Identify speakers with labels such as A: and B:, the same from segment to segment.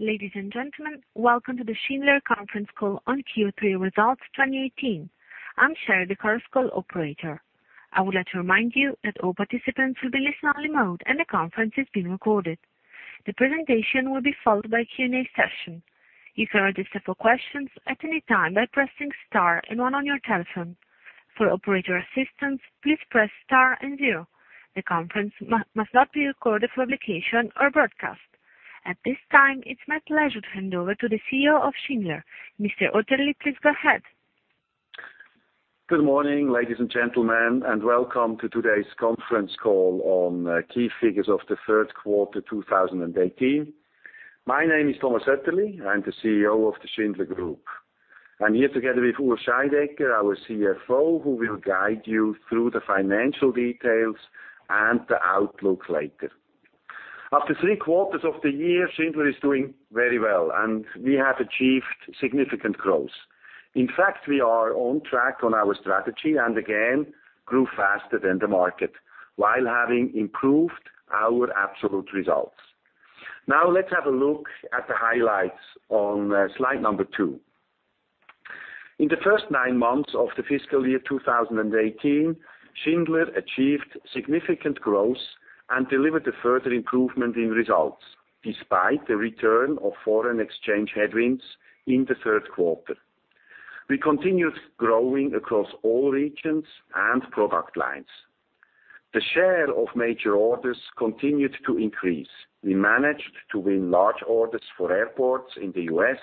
A: Ladies and gentlemen, welcome to the Schindler conference call on Q3 Results 2018. I'm Sherry, the conference call operator. I would like to remind you that all participants will be in listen-only mode, and the conference is being recorded. The presentation will be followed by a Q&A session. You can register for questions at any time by pressing star one on your telephone. For operator assistance, please press star zero. The conference must not be recorded for publication or broadcast. At this time, it's my pleasure to hand over to the CEO of Schindler, Mr. Oetterli. Please go ahead.
B: Good morning, ladies and gentlemen, welcome to today's conference call on key figures of the third quarter 2018. My name is Thomas Oetterli. I'm the CEO of the Schindler Group. I'm here together with Urs Scheidegger, our CFO, who will guide you through the financial details and the outlook later. After three quarters of the year, Schindler is doing very well, we have achieved significant growth. In fact, we are on track on our strategy, again, grew faster than the market while having improved our absolute results. Now, let's have a look at the highlights on slide number two. In the first nine months of the fiscal year 2018, Schindler achieved significant growth and delivered a further improvement in results despite the return of foreign exchange headwinds in the third quarter. We continued growing across all regions and product lines. The share of major orders continued to increase. We managed to win large orders for airports in the U.S.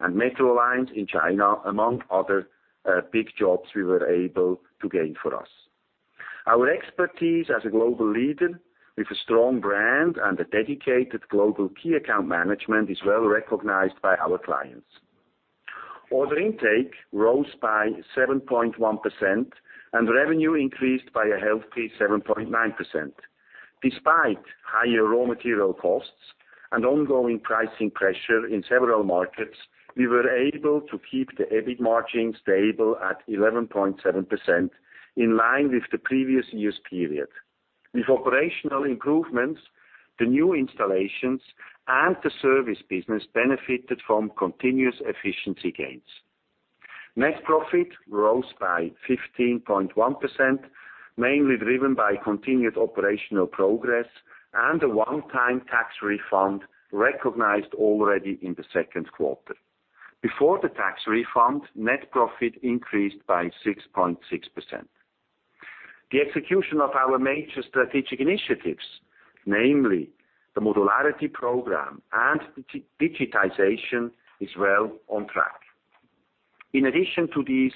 B: and metro lines in China, among other big jobs we were able to gain for us. Our expertise as a global leader with a strong brand and a dedicated global key account management is well-recognized by our clients. Order intake rose by 7.1%, revenue increased by a healthy 7.9%. Despite higher raw material costs and ongoing pricing pressure in several markets, we were able to keep the EBIT margin stable at 11.7%, in line with the previous year's period. With operational improvements, the new installations and the service business benefited from continuous efficiency gains. Net profit rose by 15.1%, mainly driven by continued operational progress and a one-time tax refund recognized already in the second quarter. Before the tax refund, net profit increased by 6.6%. The execution of our major strategic initiatives, namely the modularity program and digitization, is well on track. In addition to these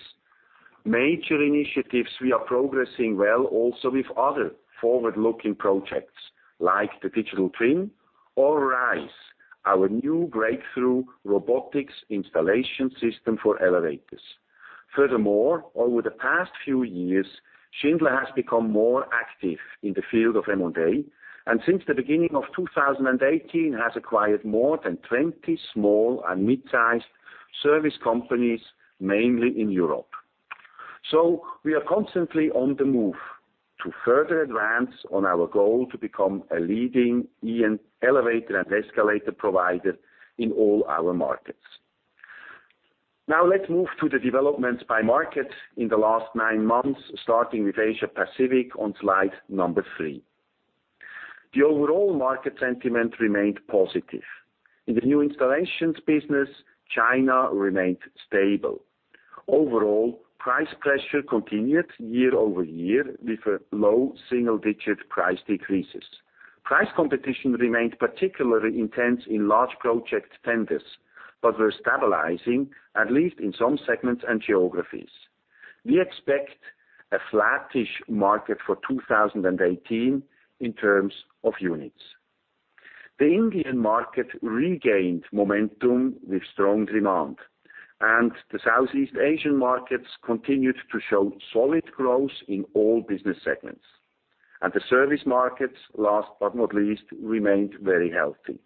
B: major initiatives, we are progressing well also with other forward-looking projects like the Digital Twin or RISE, our new breakthrough robotics installation system for elevators. Furthermore, over the past few years, Schindler has become more active in the field of M&A, since the beginning of 2018, has acquired more than 20 small and mid-sized service companies, mainly in Europe. We are constantly on the move to further advance on our goal to become a leading elevator and escalator provider in all our markets. Now, let's move to the developments by market in the last nine months, starting with Asia Pacific on slide number three. The overall market sentiment remained positive. In the new installations business, China remained stable. Overall, price pressure continued year-over-year with low single-digit price decreases. Price competition remained particularly intense in large project tenders, but were stabilizing, at least in some segments and geographies. We expect a flattish market for 2018 in terms of units. The Indian market regained momentum with strong demand, and the Southeast Asian markets continued to show solid growth in all business segments. The service markets, last but not least, remained very healthy.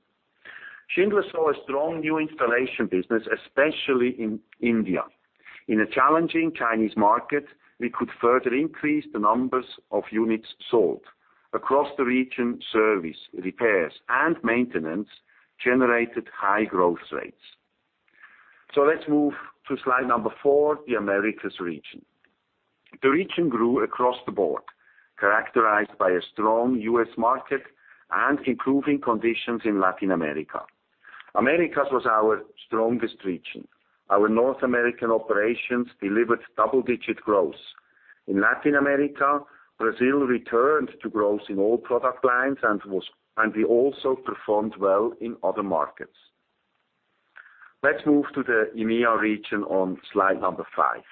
B: Schindler saw a strong new installation business, especially in India. In a challenging Chinese market, we could further increase the numbers of units sold. Across the region, service, repairs, and maintenance generated high growth rates. Let's move to slide number four, the Americas region. The region grew across the board, characterized by a strong U.S. market and improving conditions in Latin America. Americas was our strongest region. Our North American operations delivered double-digit growth. In Latin America, Brazil returned to growth in all product lines and we also performed well in other markets. Let's move to the EMEA region on slide number five.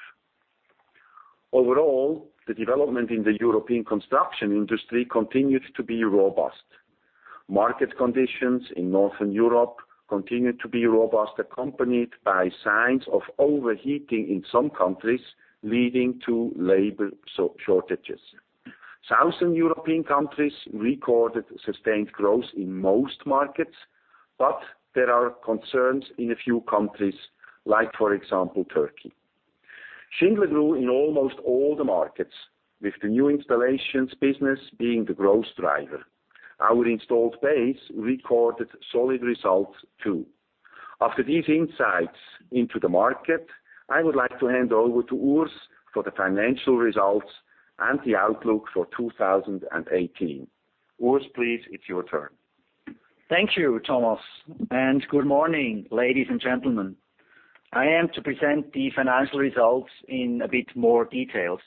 B: Overall, the development in the European construction industry continued to be robust. Market conditions in Northern Europe continued to be robust, accompanied by signs of overheating in some countries, leading to labor shortages. Southern European countries recorded sustained growth in most markets, but there are concerns in a few countries, like, for example, Turkey. Schindler grew in almost all the markets, with the new installations business being the growth driver. Our installed base recorded solid results too. After these insights into the market, I would like to hand over to Urs for the financial results and the outlook for 2018. Urs, please, it's your turn.
C: Thank you, Thomas. Good morning, ladies and gentlemen. I am to present the financial results in a bit more details.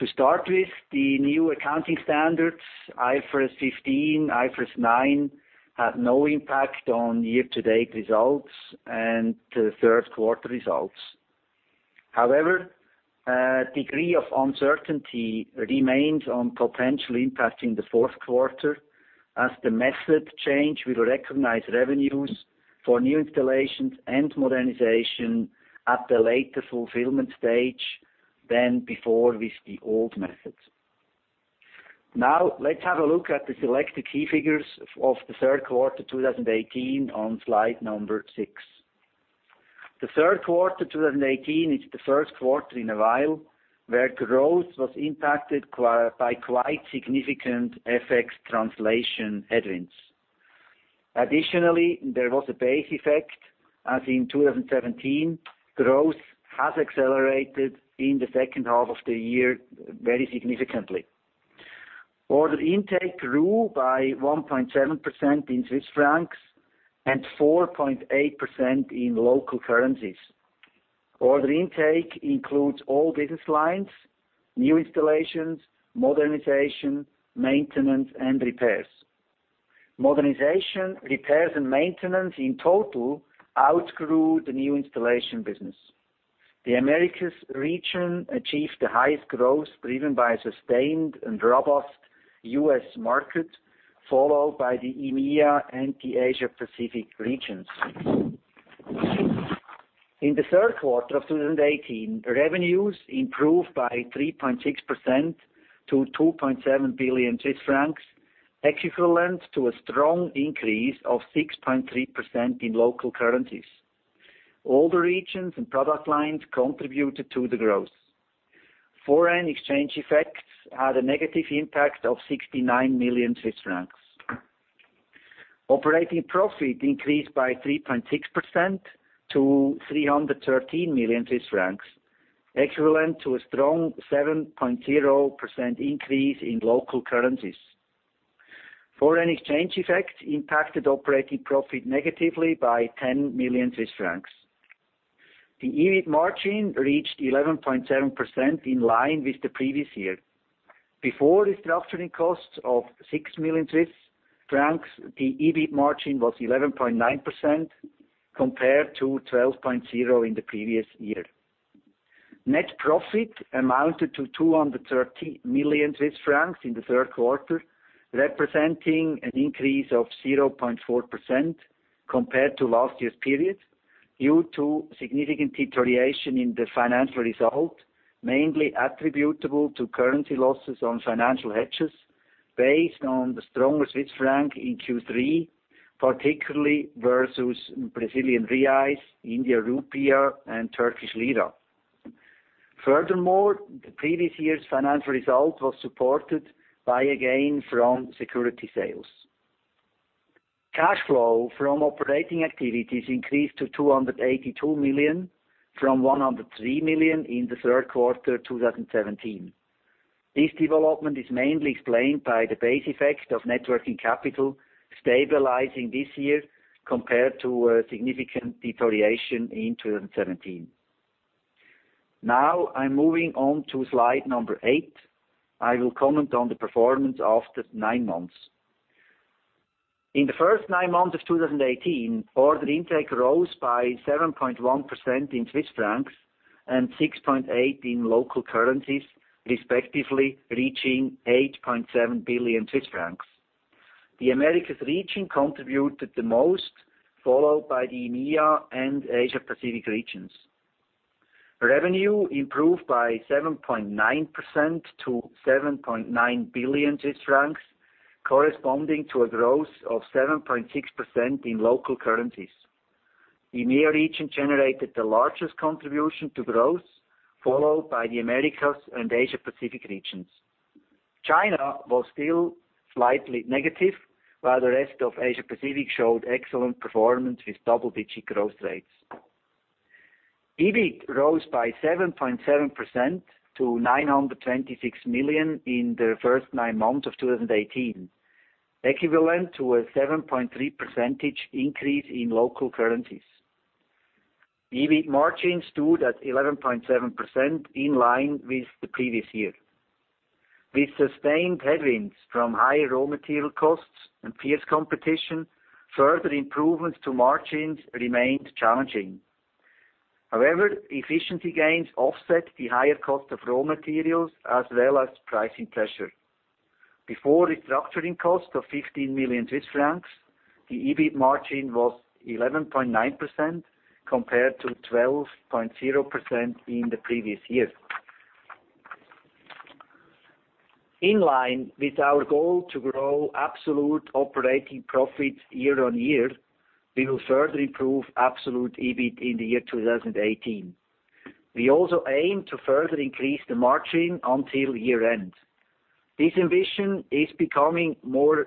C: To start with, the new accounting standards, IFRS 15, IFRS 9, had no impact on year-to-date results and the third quarter results. However, a degree of uncertainty remains on potential impact in the fourth quarter, as the method change will recognize revenues for new installations and modernization at the later fulfillment stage than before with the old methods. Let's have a look at the selected key figures of the third quarter 2018 on slide number six. The third quarter 2018 is the first quarter in a while, where growth was impacted by quite significant FX translation headwinds. Additionally, there was a base effect, as in 2017, growth has accelerated in the second half of the year very significantly. Order intake grew by 1.7% in CHF and 4.8% in local currencies. Order intake includes all business lines, new installations, modernization, maintenance, and repairs. Modernization, repairs, and maintenance in total outgrew the new installation business. The Americas region achieved the highest growth, driven by a sustained and robust U.S. market, followed by the EMEA and the Asia Pacific regions. In the third quarter of 2018, revenues improved by 3.6% to 2.7 billion Swiss francs, equivalent to a strong increase of 6.3% in local currencies. All the regions and product lines contributed to the growth. Foreign exchange effects had a negative impact of 69 million Swiss francs. Operating profit increased by 3.6% to 313 million Swiss francs, equivalent to a strong 7.0% increase in local currencies. Foreign exchange effects impacted operating profit negatively by 10 million Swiss francs. The EBIT margin reached 11.7%, in line with the previous year. Before restructuring costs of 6 million francs, the EBIT margin was 11.9% compared to 12.0% in the previous year. Net profit amounted to 230 million Swiss francs in the third quarter, representing an increase of 0.4% compared to last year's period, due to significant deterioration in the financial result, mainly attributable to currency losses on financial hedges based on the stronger Swiss franc in Q3, particularly versus Brazilian reais, India rupee, and Turkish lira. Furthermore, the previous year's financial result was supported by a gain from security sales. Cash flow from operating activities increased to 282 million from 103 million in the third quarter 2017. This development is mainly explained by the base effect of net working capital stabilizing this year compared to a significant deterioration in 2017. I am moving on to slide number 8. I will comment on the performance of the nine months. In the first nine months of 2018, order intake rose by 7.1% in CHF and 6.8% in local currencies, respectively reaching 8.7 billion Swiss francs. The Americas region contributed the most, followed by the EMEA and Asia Pacific regions. Revenue improved by 7.9% to 7.9 billion Swiss francs, corresponding to a growth of 7.6% in local currencies. The EMEA region generated the largest contribution to growth, followed by the Americas and Asia Pacific regions. China was still slightly negative, while the rest of Asia Pacific showed excellent performance with double-digit growth rates. EBIT rose by 7.7% to 926 million in the first nine months of 2018, equivalent to a 7.3 percentage increase in local currencies. EBIT margin stood at 11.7%, in line with the previous year. With sustained headwinds from higher raw material costs and fierce competition, further improvements to margins remained challenging. Efficiency gains offset the higher cost of raw materials as well as pricing pressure. Before restructuring cost of 15 million Swiss francs, the EBIT margin was 11.9% compared to 12.0% in the previous year. In line with our goal to grow absolute operating profit year-on-year, we will further improve absolute EBIT in the year 2018. We also aim to further increase the margin until year-end. This ambition is becoming more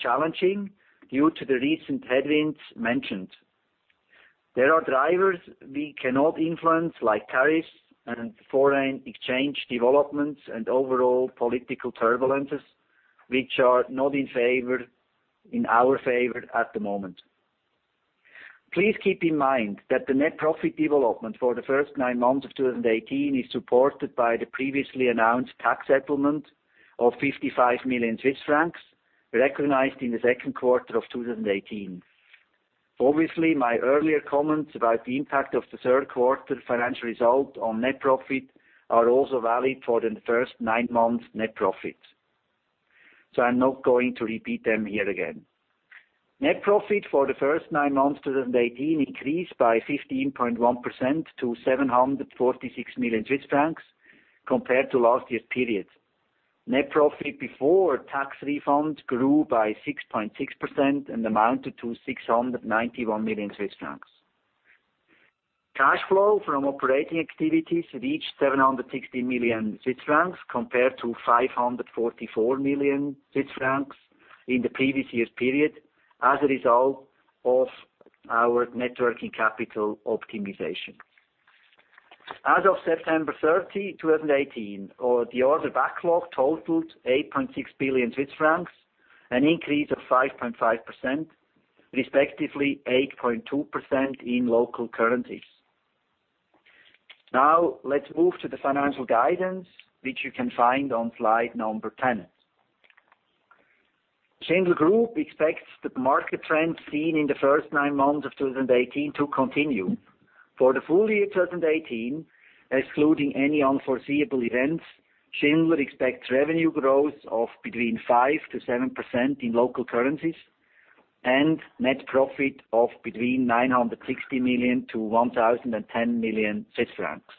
C: challenging due to the recent headwinds mentioned. There are drivers we cannot influence, like tariffs and foreign exchange developments and overall political turbulences, which are not in our favor at the moment. Please keep in mind that the net profit development for the first nine months of 2018 is supported by the previously announced tax settlement of 55 million Swiss francs, recognized in the second quarter of 2018. My earlier comments about the impact of the third quarter financial result on net profit are also valid for the first nine months' net profit. I am not going to repeat them here again. Net profit for the first nine months, 2018 increased by 15.1% to 746 million Swiss francs compared to last year's period. Net profit before tax refunds grew by 6.6% and amounted to 691 million Swiss francs. Cash flow from operating activities reached 760 million Swiss francs compared to 544 million Swiss francs in the previous year's period as a result of our net working capital optimization. As of September 30, 2018, the order backlog totaled 8.6 billion Swiss francs, an increase of 5.5%, respectively 8.2% in local currencies. Let us move to the financial guidance, which you can find on slide number 10. Schindler Group expects the market trend seen in the first nine months of 2018 to continue. For the full year 2018, excluding any unforeseeable events, Schindler expects revenue growth of between 5%-7% in local currencies, and net profit of between 960 million to 1,010 million Swiss francs.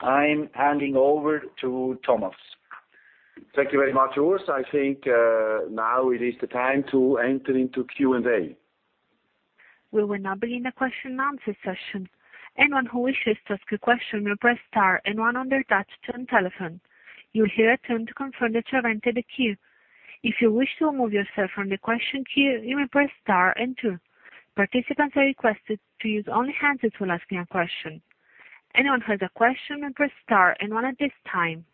C: I'm handing over to Thomas.
B: Thank you very much, Urs. I think now it is the time to enter into Q&A.
A: We will now begin the question and answer session. Anyone who wishes to ask a question may press star and one on their touch-tone telephone. You'll hear a tone to confirm that you have entered the queue. If you wish to remove yourself from the question queue, you may press star and two. Participants are requested to use only hands when asking a question. Anyone who has a question may press star and one at this time.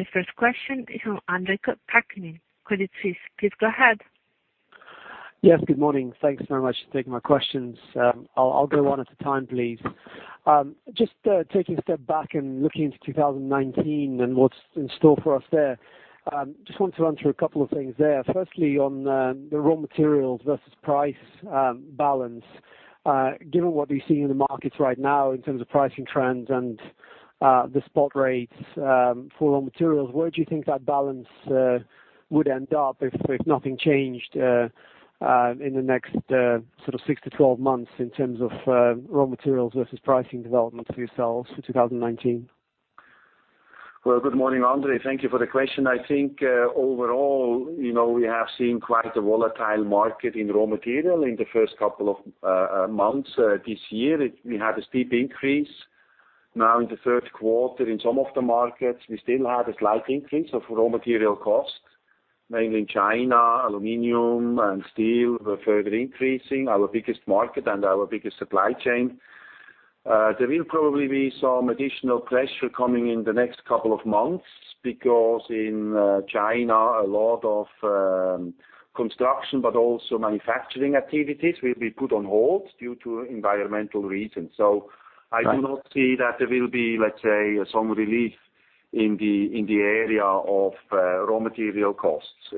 A: The first question is from André Kukhnin, Credit Suisse. Please go ahead.
D: Yes, good morning. Thanks so much for taking my questions. I'll go one at a time, please. Just taking a step back and looking into 2019 and what's in store for us there. Just want to run through a couple of things there. Firstly, on the raw materials versus price balance. Given what we see in the markets right now in terms of pricing trends and the spot rates for raw materials, where do you think that balance would end up if nothing changed in the next 6-12 months in terms of raw materials versus pricing development for yourselves for 2019?
B: Well, good morning, Andre. Thank you for the question. I think, overall, we have seen quite a volatile market in raw material in the first couple of months this year. We had a steep increase. Now in the third quarter, in some of the markets, we still had a slight increase of raw material cost, mainly in China, aluminum and steel were further increasing, our biggest market and our biggest supply chain. There will probably be some additional pressure coming in the next couple of months because in China, a lot of construction, but also manufacturing activities will be put on hold due to environmental reasons. I do not see that there will be, let's say, some relief in the area of raw material costs.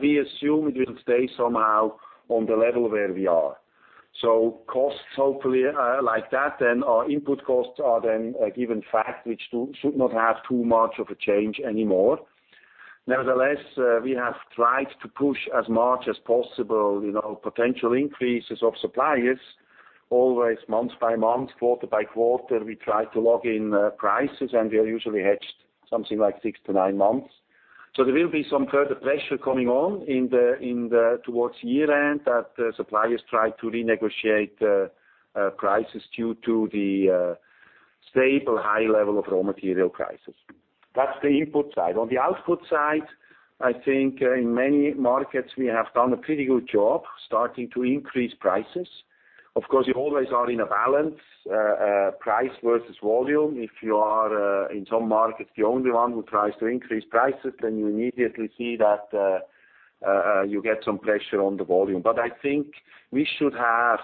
B: We assume it will stay somehow on the level where we are. Costs, hopefully, like that then our input costs are then a given fact which should not have too much of a change anymore. Nevertheless, we have tried to push as much as possible potential increases of suppliers always month by month, quarter by quarter. We try to lock in prices, and we are usually hedged something like six to nine months. There will be some further pressure coming on towards year-end that suppliers try to renegotiate prices due to the stable high level of raw material prices. That's the input side. On the output side, I think in many markets, we have done a pretty good job starting to increase prices. Of course, you always are in a balance, price versus volume. If you are, in some markets, the only one who tries to increase prices, then you immediately see that you get some pressure on the volume. I think we should have,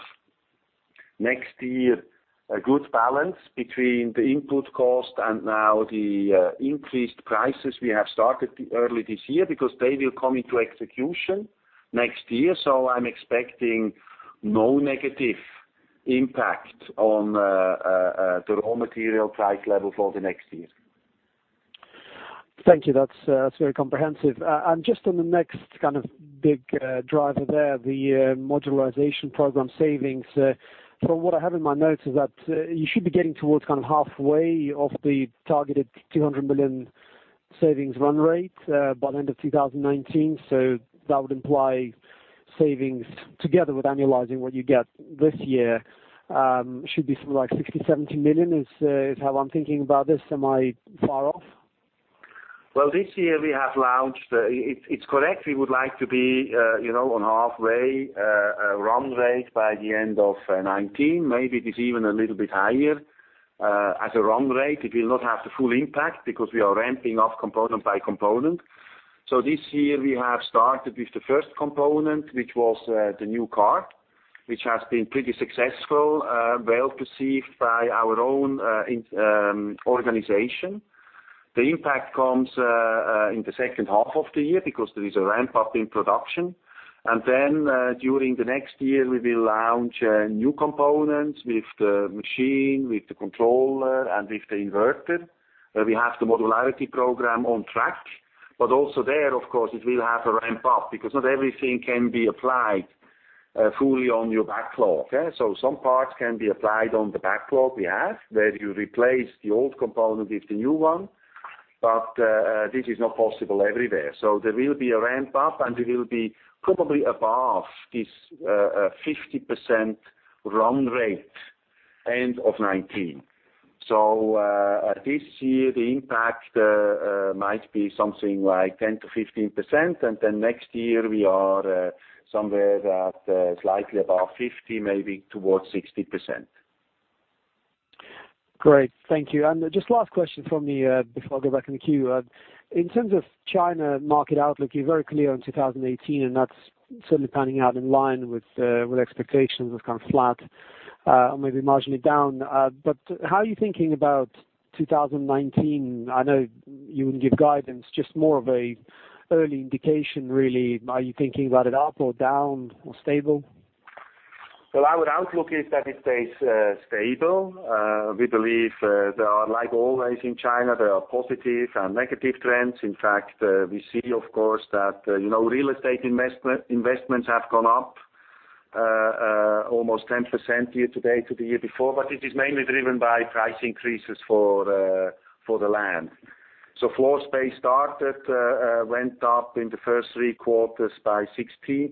B: next year, a good balance between the input cost and now the increased prices we have started early this year because they will come into execution next year. I'm expecting no negative impact on the raw material price level for the next year.
D: Thank you. That's very comprehensive. Just on the next kind of big driver there, the modularity program savings. From what I have in my notes is that you should be getting towards kind of halfway of the targeted 200 million savings run rate, by the end of 2019. That would imply savings together with annualizing what you get this year, should be something like 60 million-70 million, is how I'm thinking about this. Am I far off?
B: This year we have launched. It's correct, we would like to be on 50% run rate by the end of 2019. Maybe it is even a little bit higher. As a run rate, it will not have the full impact because we are ramping up component by component. This year, we have started with the first component, which was the new car, which has been pretty successful, well-perceived by our own organization. The impact comes in the second half of the year because there is a ramp-up in production. During the next year, we will launch new components with the machine, with the controller, and with the inverter, where we have the modularity program on track. Also there, of course, it will have a ramp-up, because not everything can be applied fully on your backlog. Some parts can be applied on the backlog we have, where you replace the old component with the new one, but this is not possible everywhere. There will be a ramp-up, and it will be probably above this 50% run rate end of 2019. This year the impact might be something like 10%-15%, and next year we are somewhere that slightly above 50%, maybe towards 60%.
D: Great, thank you. Just last question from me, before I go back in the queue. In terms of China market outlook, you're very clear on 2018, and that's certainly panning out in line with expectations of kind of flat, or maybe marginally down. How are you thinking about 2019? I know you wouldn't give guidance, just more of a early indication, really. Are you thinking about it up or down or stable?
B: Our outlook is that it stays stable. We believe there are, like always in China, there are positive and negative trends. In fact, we see, of course, that real estate investments have gone up almost 10% year to date to the year before, but it is mainly driven by price increases for the land. Floor space started went up in the first three quarters by 16%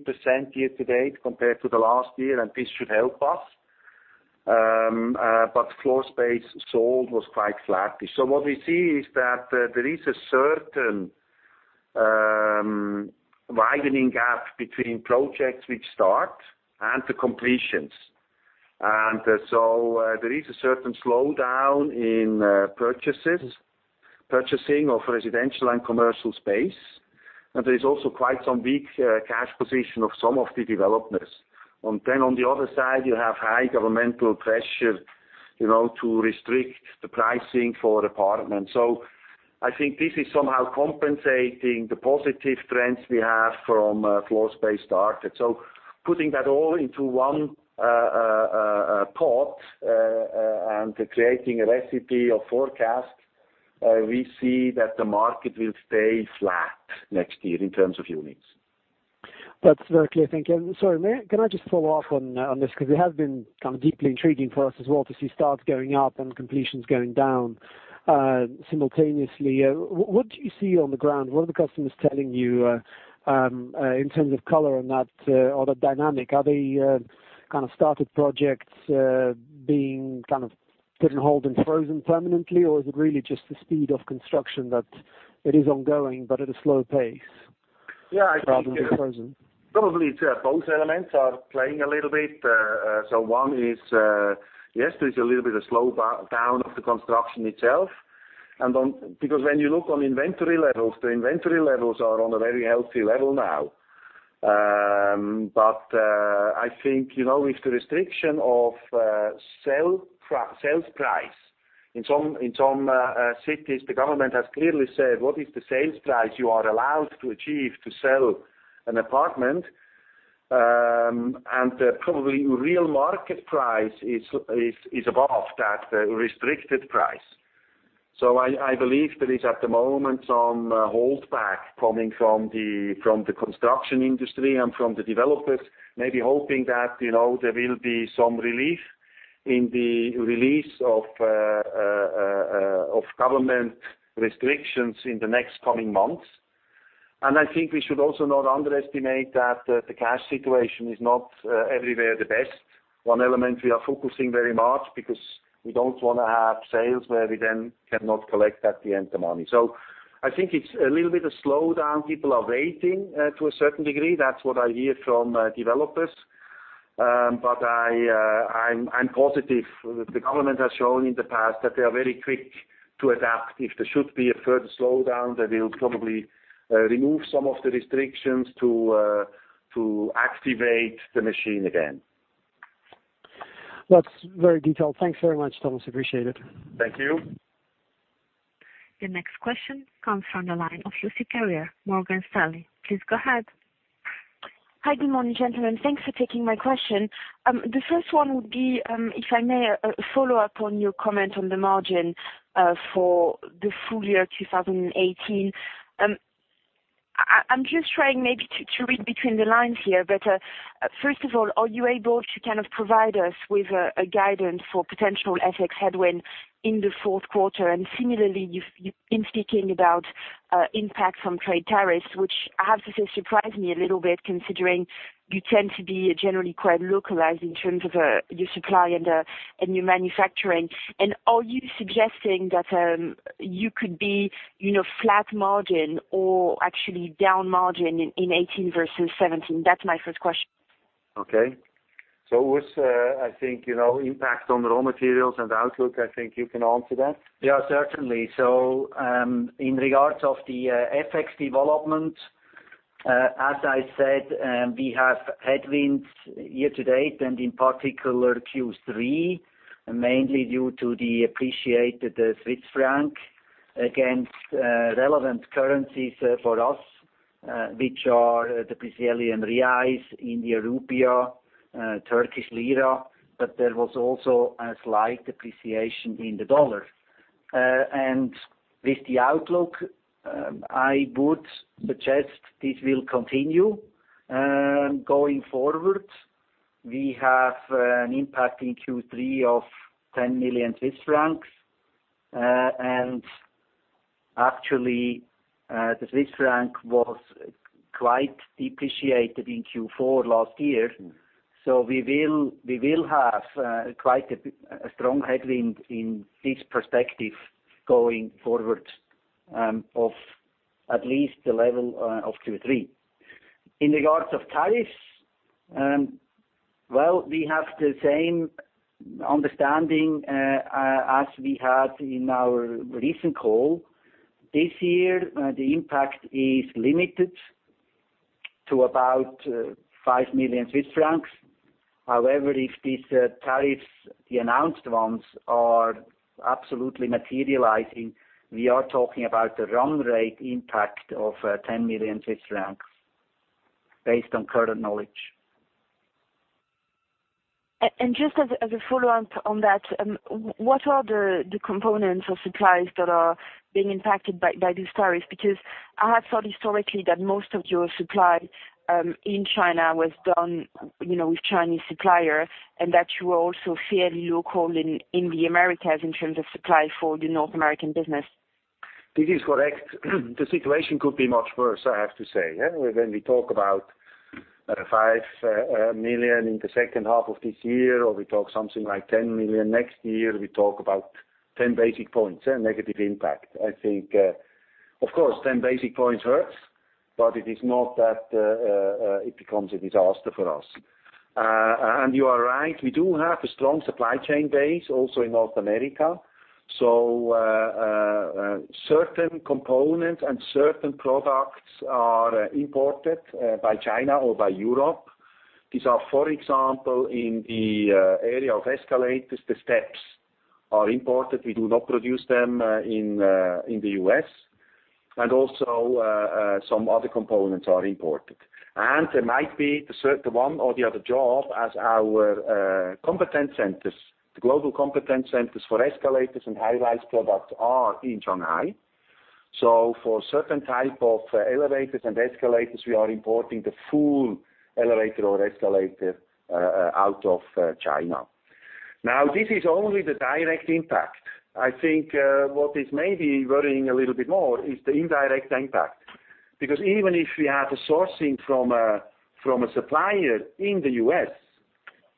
B: year to date compared to the last year, and this should help us. Floor space sold was quite flat-ish. What we see is that there is a certain widening gap between projects which start and the completions. There is a certain slowdown in purchasing of residential and commercial space. There is also quite some weak cash position of some of the developers. On the other side, you have high governmental pressure to restrict the pricing for apartments. I think this is somehow compensating the positive trends we have from floor space started. Putting that all into one pot, and creating a recipe or forecast, we see that the market will stay flat next year in terms of units.
D: That's very clear, thank you. Sorry, can I just follow up on this? Because it has been kind of deeply intriguing for us as well to see starts going up and completions going down simultaneously. What do you see on the ground? What are the customers telling you, in terms of color on that or the dynamic? Are they kind of started projects being put on hold and frozen permanently, or is it really just the speed of construction that it is ongoing, but at a slow pace?
B: Yeah, I think
D: Rather than frozen.
B: Probably both elements are playing a little bit. One is, yes, there's a little bit of slowdown of the construction itself. When you look on inventory levels, the inventory levels are on a very healthy level now. I think with the restriction of sales price, in some cities, the government has clearly said what is the sales price you are allowed to achieve to sell an apartment. Probably real market price is above that restricted price. I believe there is, at the moment, some holdback coming from the construction industry and from the developers, maybe hoping that there will be some relief in the release of government restrictions in the next coming months. I think we should also not underestimate that the cash situation is not everywhere the best. One element we are focusing very much because we don't want to have sales where we then cannot collect at the end the money. I think it's a little bit of slowdown. People are waiting, to a certain degree. That's what I hear from developers. I'm positive. The government has shown in the past that they are very quick to adapt. If there should be a further slowdown, they will probably remove some of the restrictions to activate the machine again.
D: That's very detailed. Thanks very much, Thomas. Appreciate it.
B: Thank you.
A: The next question comes from the line of Lucie Carrier, Morgan Stanley. Please go ahead.
E: Hi, good morning, gentlemen. Thanks for taking my question. The first one would be, if I may, a follow-up on your comment on the margin for the full year 2018. First of all, are you able to provide us with a guidance for potential FX headwind in the fourth quarter? Similarly, you've been speaking about impact from trade tariffs, which I have to say, surprised me a little bit, considering you tend to be generally quite localized in terms of your supply and your manufacturing. Are you suggesting that you could be flat margin or actually down margin in 2018 versus 2017? That's my first question.
B: Okay. Urs, I think impact on raw materials and outlook, I think you can answer that.
C: Yeah, certainly. In regards of the FX development, as I said, we have headwinds year-to-date and in particular Q3, mainly due to the appreciated Swiss franc against relevant currencies for us, which are the Brazilian reais, India rupee, Turkish lira, but there was also a slight appreciation in the U.S. dollar. With the outlook, I would suggest this will continue. Going forward, we have an impact in Q3 of 10 million Swiss francs. Actually, the Swiss franc was quite depreciated in Q4 last year. We will have quite a strong headwind in this perspective going forward, of at least the level of Q3. In regards of tariffs, well, we have the same understanding as we had in our recent call. This year, the impact is limited to about 5 million Swiss francs. However, if these tariffs, the announced ones, are absolutely materializing, we are talking about a run rate impact of 10 million based on current knowledge.
E: Just as a follow-up on that, what are the components or supplies that are being impacted by these tariffs? I have thought historically that most of your supply in China was done with Chinese suppliers, that you were also fairly local in the Americas in terms of supply for the North American business.
B: This is correct. The situation could be much worse, I have to say, yeah. When we talk about 5 million in the second half of this year, or we talk something like 10 million next year, we talk about 10 basis points, a negative impact. I think, of course, 10 basis points hurts, but it is not that it becomes a disaster for us. You are right, we do have a strong supply chain base also in North America. Certain components and certain products are imported from China or from Europe. These are, for example, in the area of escalators, the steps are imported. We do not produce them in the U.S. Also, some other components are imported. There might be the one or the other job as our competence centers, the global competence centers for escalators and high-rise products are in Shanghai. For certain type of elevators and escalators, we are importing the full elevator or escalator out of China. Now, this is only the direct impact. I think what is maybe worrying a little bit more is the indirect impact. Even if we are to sourcing from a supplier in the U.S.,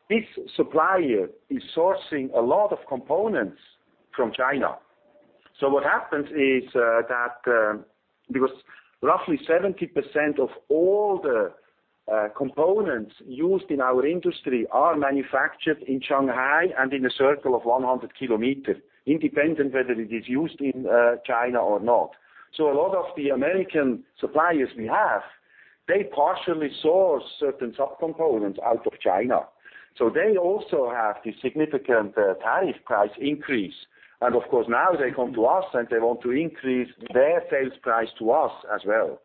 B: this supplier is sourcing a lot of components from China. What happens is that because roughly 70% of all the components used in our industry are manufactured in Shanghai and in a circle of 100 km, independent whether it is used in China or not. A lot of the American suppliers we have, they partially source certain subcomponents out of China. They also have the significant tariff price increase. Of course, now they come to us, and they want to increase their sales price to us as well.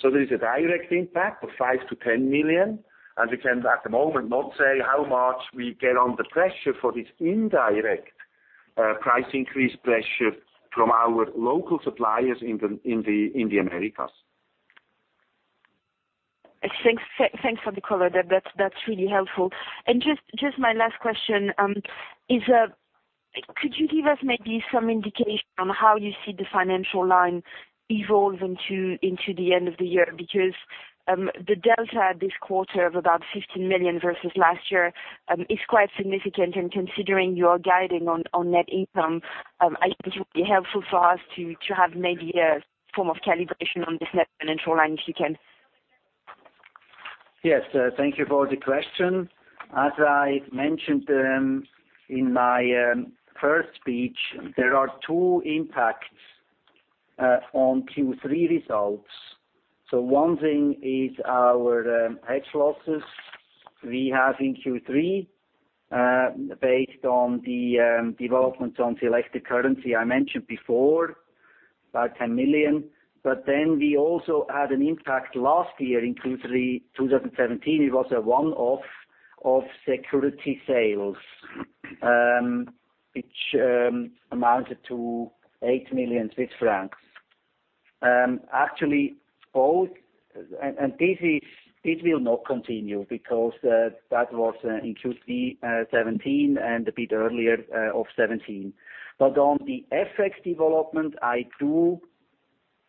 B: There is a direct impact of 5 million-10 million, and we can, at the moment, not say how much we get on the pressure for this indirect price increase pressure from our local suppliers in the Americas.
E: Thanks for the color. That's really helpful. Just my last question is, could you give us maybe some indication on how you see the financial line evolve into the end of the year? Because the delta this quarter of about 15 million versus last year is quite significant. Considering your guiding on net income, I think it would be helpful for us to have maybe a form of calibration on this net financial line, if you can.
C: Yes. Thank you for the question. As I mentioned in my first speech, there are two impacts on Q3 results. One thing is our hedge losses we have in Q3 based on the developments on the selected currency I mentioned before. About 10 million. We also had an impact last year in Q3 2017. It was a one-off of security sales, which amounted to 8 million Swiss francs. It will not continue because that was in Q3 2017, and a bit earlier of 2017. On the FX development, I do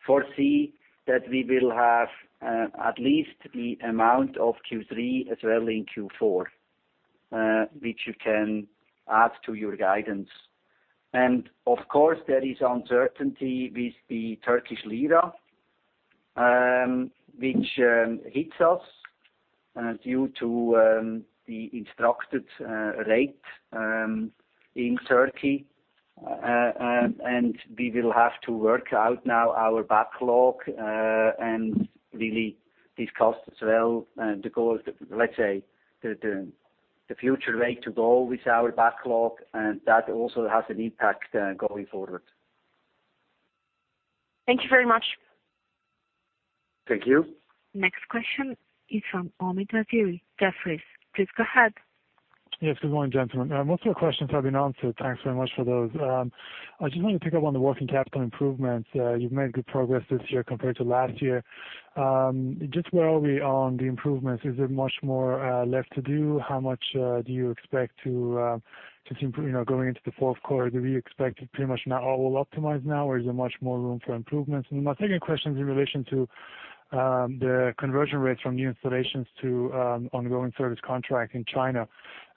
C: foresee that we will have at least the amount of Q3 as well in Q4, which you can add to your guidance. Of course, there is uncertainty with the Turkish lira, which hits us due to the instructed rate in Turkey. We will have to work out now our backlog, and really these costs as well, and the goal, let's say, the future rate to go with our backlog, and that also has an impact going forward.
E: Thank you very much.
C: Thank you.
A: Next question is from Amit Mahtani, Jefferies. Please go ahead.
F: Yes. Good morning, gentlemen. Most of the questions have been answered. Thanks very much for those. I just wanted to pick up on the working capital improvements. You've made good progress this year compared to last year. Just where are we on the improvements? Is there much more left to do? Just going into the fourth quarter, do we expect it pretty much now all optimized now, or is there much more room for improvements? My second question is in relation to the conversion rates from new installations to ongoing service contract in China.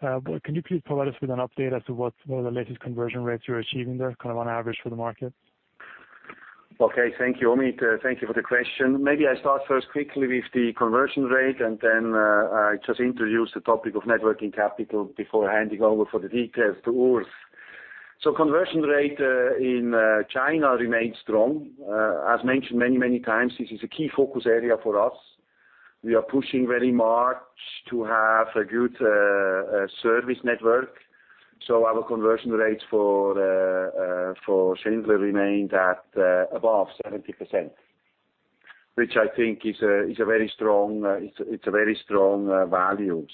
F: Can you please provide us with an update as to what are the latest conversion rates you're achieving there on average for the market?
C: Okay. Thank you, Amit. Thank you for the question. Maybe I start first quickly with the conversion rate, then I just introduce the topic of networking capital before handing over for the details to Urs. Conversion rate in China remains strong. As mentioned many times, this is a key focus area for us. We are pushing very much to have a good service network. Our conversion rates for Schindler remained at above 70%, which I think it's a very strong value.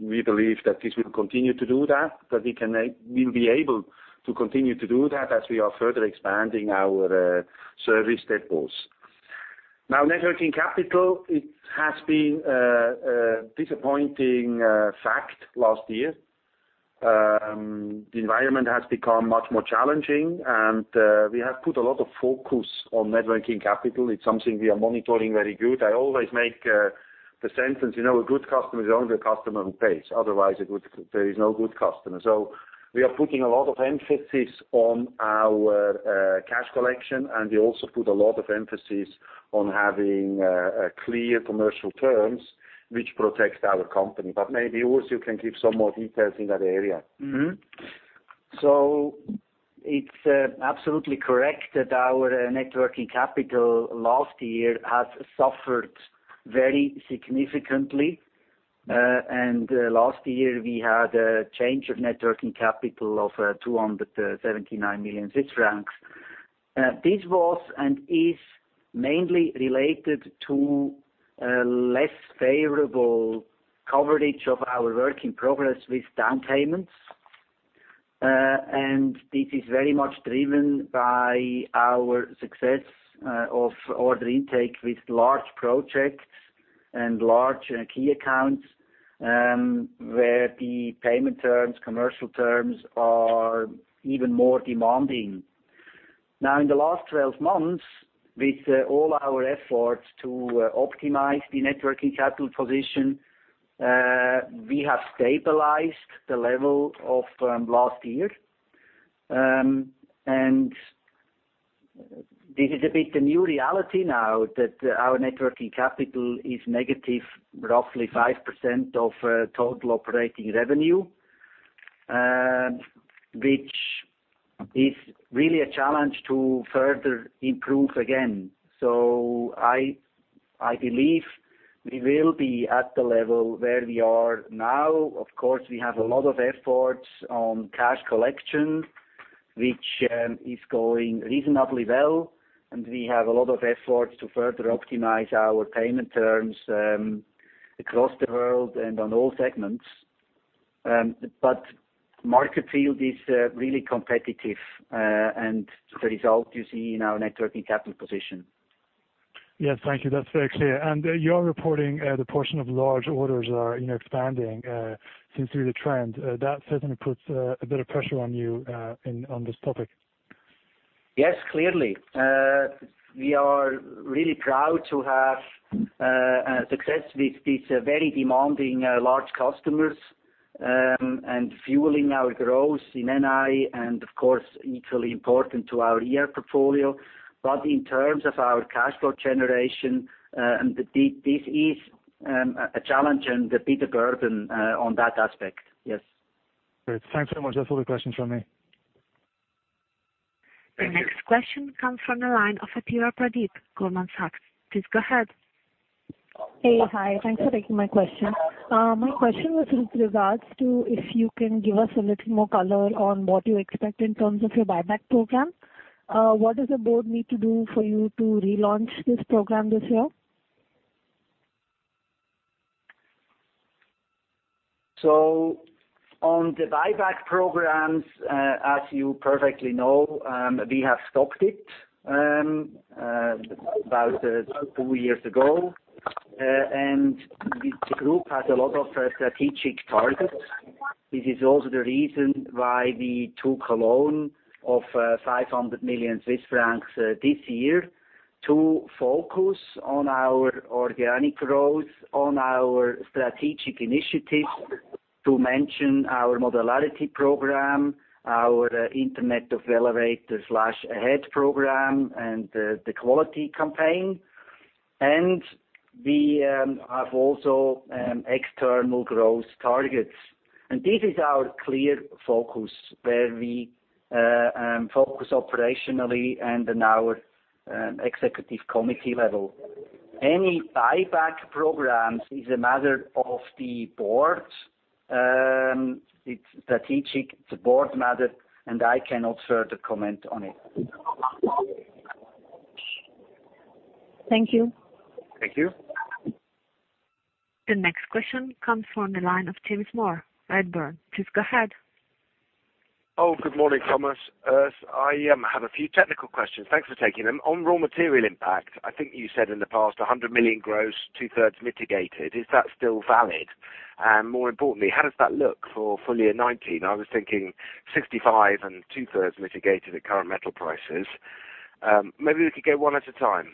C: We believe that this will continue to do that we'll be able to continue to do that as we are further expanding our service depots. Networking capital, it has been a disappointing fact last year. The environment has become much more challenging, and we have put a lot of focus on networking capital. It's something we are monitoring very good. I always make the sentence, a good customer is only a customer who pays. Otherwise, there is no good customer. We are putting a lot of emphasis on our cash collection, we also put a lot of emphasis on having clear commercial terms, which protects our company. Maybe, Urs, you can give some more details in that area. It's absolutely correct that our networking capital last year has suffered very significantly. Last year, we had a change of networking capital of 279 million francs. This was and is mainly related to a less favorable coverage of our work in progress with down payments. This is very much driven by our success of order intake with large projects and large key accounts, where the payment terms, commercial terms are even more demanding. In the last 12 months, with all our efforts to optimize the networking capital position, we have stabilized the level of last year. This is a bit the new reality now that our networking capital is negative, roughly 5% of total operating revenue, which is really a challenge to further improve again. I believe we will be at the level where we are now. Of course, we have a lot of efforts on cash collection, which is going reasonably well, we have a lot of efforts to further optimize our payment terms across the world and on all segments. Market field is really competitive, and the result you see in our networking capital position.
F: Yes, thank you. That's very clear. You're reporting the portion of large orders are expanding since through the trend. That certainly puts a bit of pressure on you on this topic.
C: Yes, clearly. We are really proud to have success with these very demanding large customers, and fueling our growth in NI, and of course, equally important to our year portfolio. In terms of our cash flow generation, this is a challenge and a bit a burden on that aspect. Yes.
F: Great. Thanks so much. That's all the questions from me.
C: Thank you.
A: The next question comes from the line of Aatika Rupee, Goldman Sachs. Please go ahead.
G: Hey, hi. Thanks for taking my question. My question was with regards to if you can give us a little more color on what you expect in terms of your buyback program. What does the board need to do for you to relaunch this program this year?
C: On the buyback programs, as you perfectly know, we have stopped it about two years ago. The group has a lot of strategic targets. This is also the reason why we took a loan of 500 million Swiss francs this year to focus on our organic growth, on our strategic initiatives. To mention our modularity program, our Internet of Elevators/Ahead program, and the quality campaign. We have also external growth targets. This is our clear focus, where we focus operationally and on our executive committee level. Any buyback programs is a matter of the board. It's strategic, it's a board matter, and I cannot further comment on it.
G: Thank you.
C: Thank you.
D: The next question comes from the line of James Moore, Redburn. Please go ahead.
H: Good morning, Thomas. I have a few technical questions. Thanks for taking them. On raw material impact, I think you said in the past 100 million gross, two-thirds mitigated. Is that still valid? More importantly, how does that look for full year 2019? I was thinking 65 and two-thirds mitigated at current metal prices. Maybe we could go one at a time.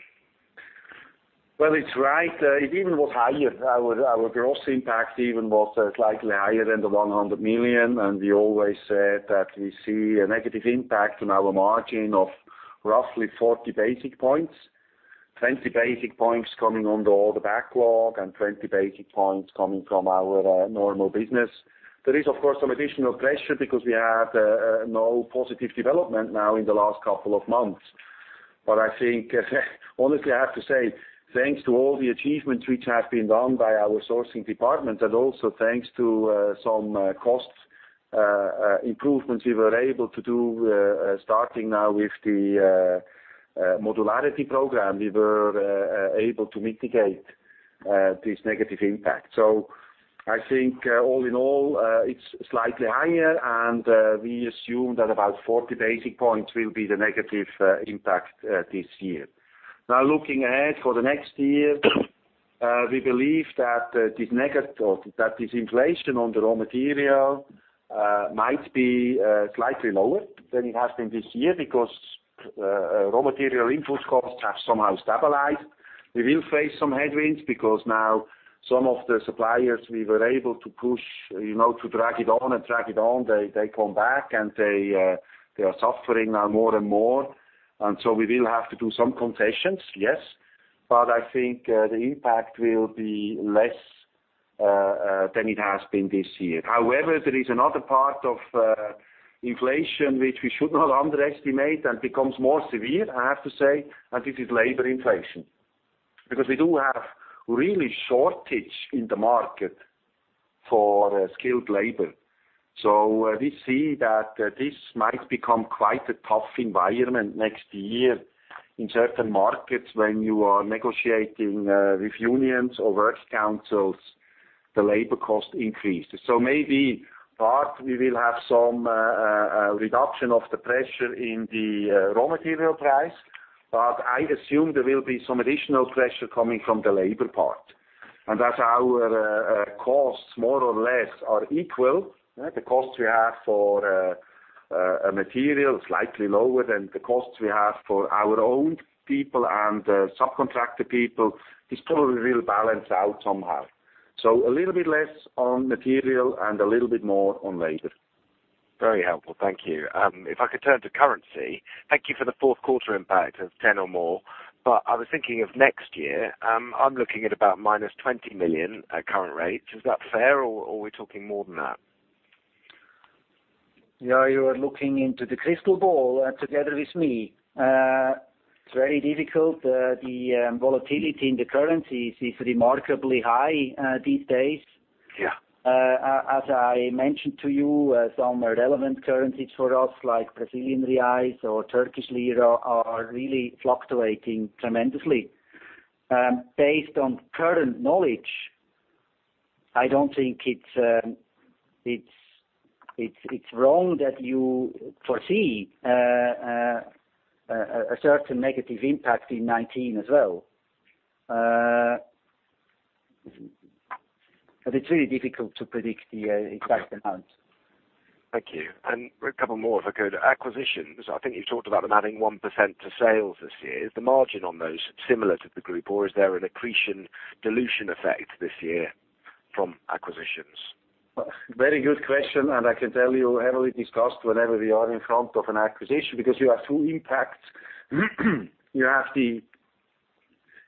C: Well, it's right. It even was higher. Our gross impact even was slightly higher than the 100 million. We always said that we see a negative impact on our margin of roughly 40 basis points, 20 basis points coming under all the backlog and 20 basis points coming from our normal business. There is, of course, some additional pressure because we had no positive development now in the last couple of months. I think honestly, I have to say, thanks to all the achievements which have been done by our sourcing department, and also thanks to some cost improvements we were able to do, starting now with the modularity program, we were able to mitigate this negative impact. I think all in all, it's slightly higher, and we assume that about 40 basis points will be the negative impact this year. Now looking ahead for the next year, we believe that this inflation on the raw material might be slightly lower than it has been this year because raw material input costs have somehow stabilized. We will face some headwinds because now some of the suppliers we were able to push to drag it on and drag it on, they come back, and they are suffering now more and more. We will have to do some concessions, yes. I think the impact will be less than it has been this year. However, there is another part of inflation which we should not underestimate and becomes more severe, I have to say, and this is labor inflation. Because we do have really shortage in the market for skilled labor. We see that this might become quite a tough environment next year in certain markets when you are negotiating with unions or work councils, the labor cost increases. Maybe part, we will have some reduction of the pressure in the raw material price, but I assume there will be some additional pressure coming from the labor part. As our costs more or less are equal, the cost we have for material is slightly lower than the costs we have for our own people and subcontracted people. This probably will balance out somehow. A little bit less on material and a little bit more on labor.
H: Very helpful. Thank you. If I could turn to currency, thank you for the fourth quarter impact of 10 or more. I was thinking of next year. I am looking at about -20 million at current rates. Is that fair, or are we talking more than that?
C: You are looking into the crystal ball together with me. It's very difficult. The volatility in the currencies is remarkably high these days.
H: Yeah.
C: I mentioned to you, some relevant currencies for us, like Brazilian reais or Turkish lira, are really fluctuating tremendously. Based on current knowledge, I don't think it's wrong that you foresee a certain negative impact in 2019 as well. It's really difficult to predict the exact amount.
H: Thank you. A couple more if I could. Acquisitions, I think you talked about them adding 1% to sales this year. Is the margin on those similar to the group, or is there an accretion dilution effect this year from acquisitions?
B: Very good question, I can tell you, heavily discussed whenever we are in front of an acquisition because you have two impacts. You have the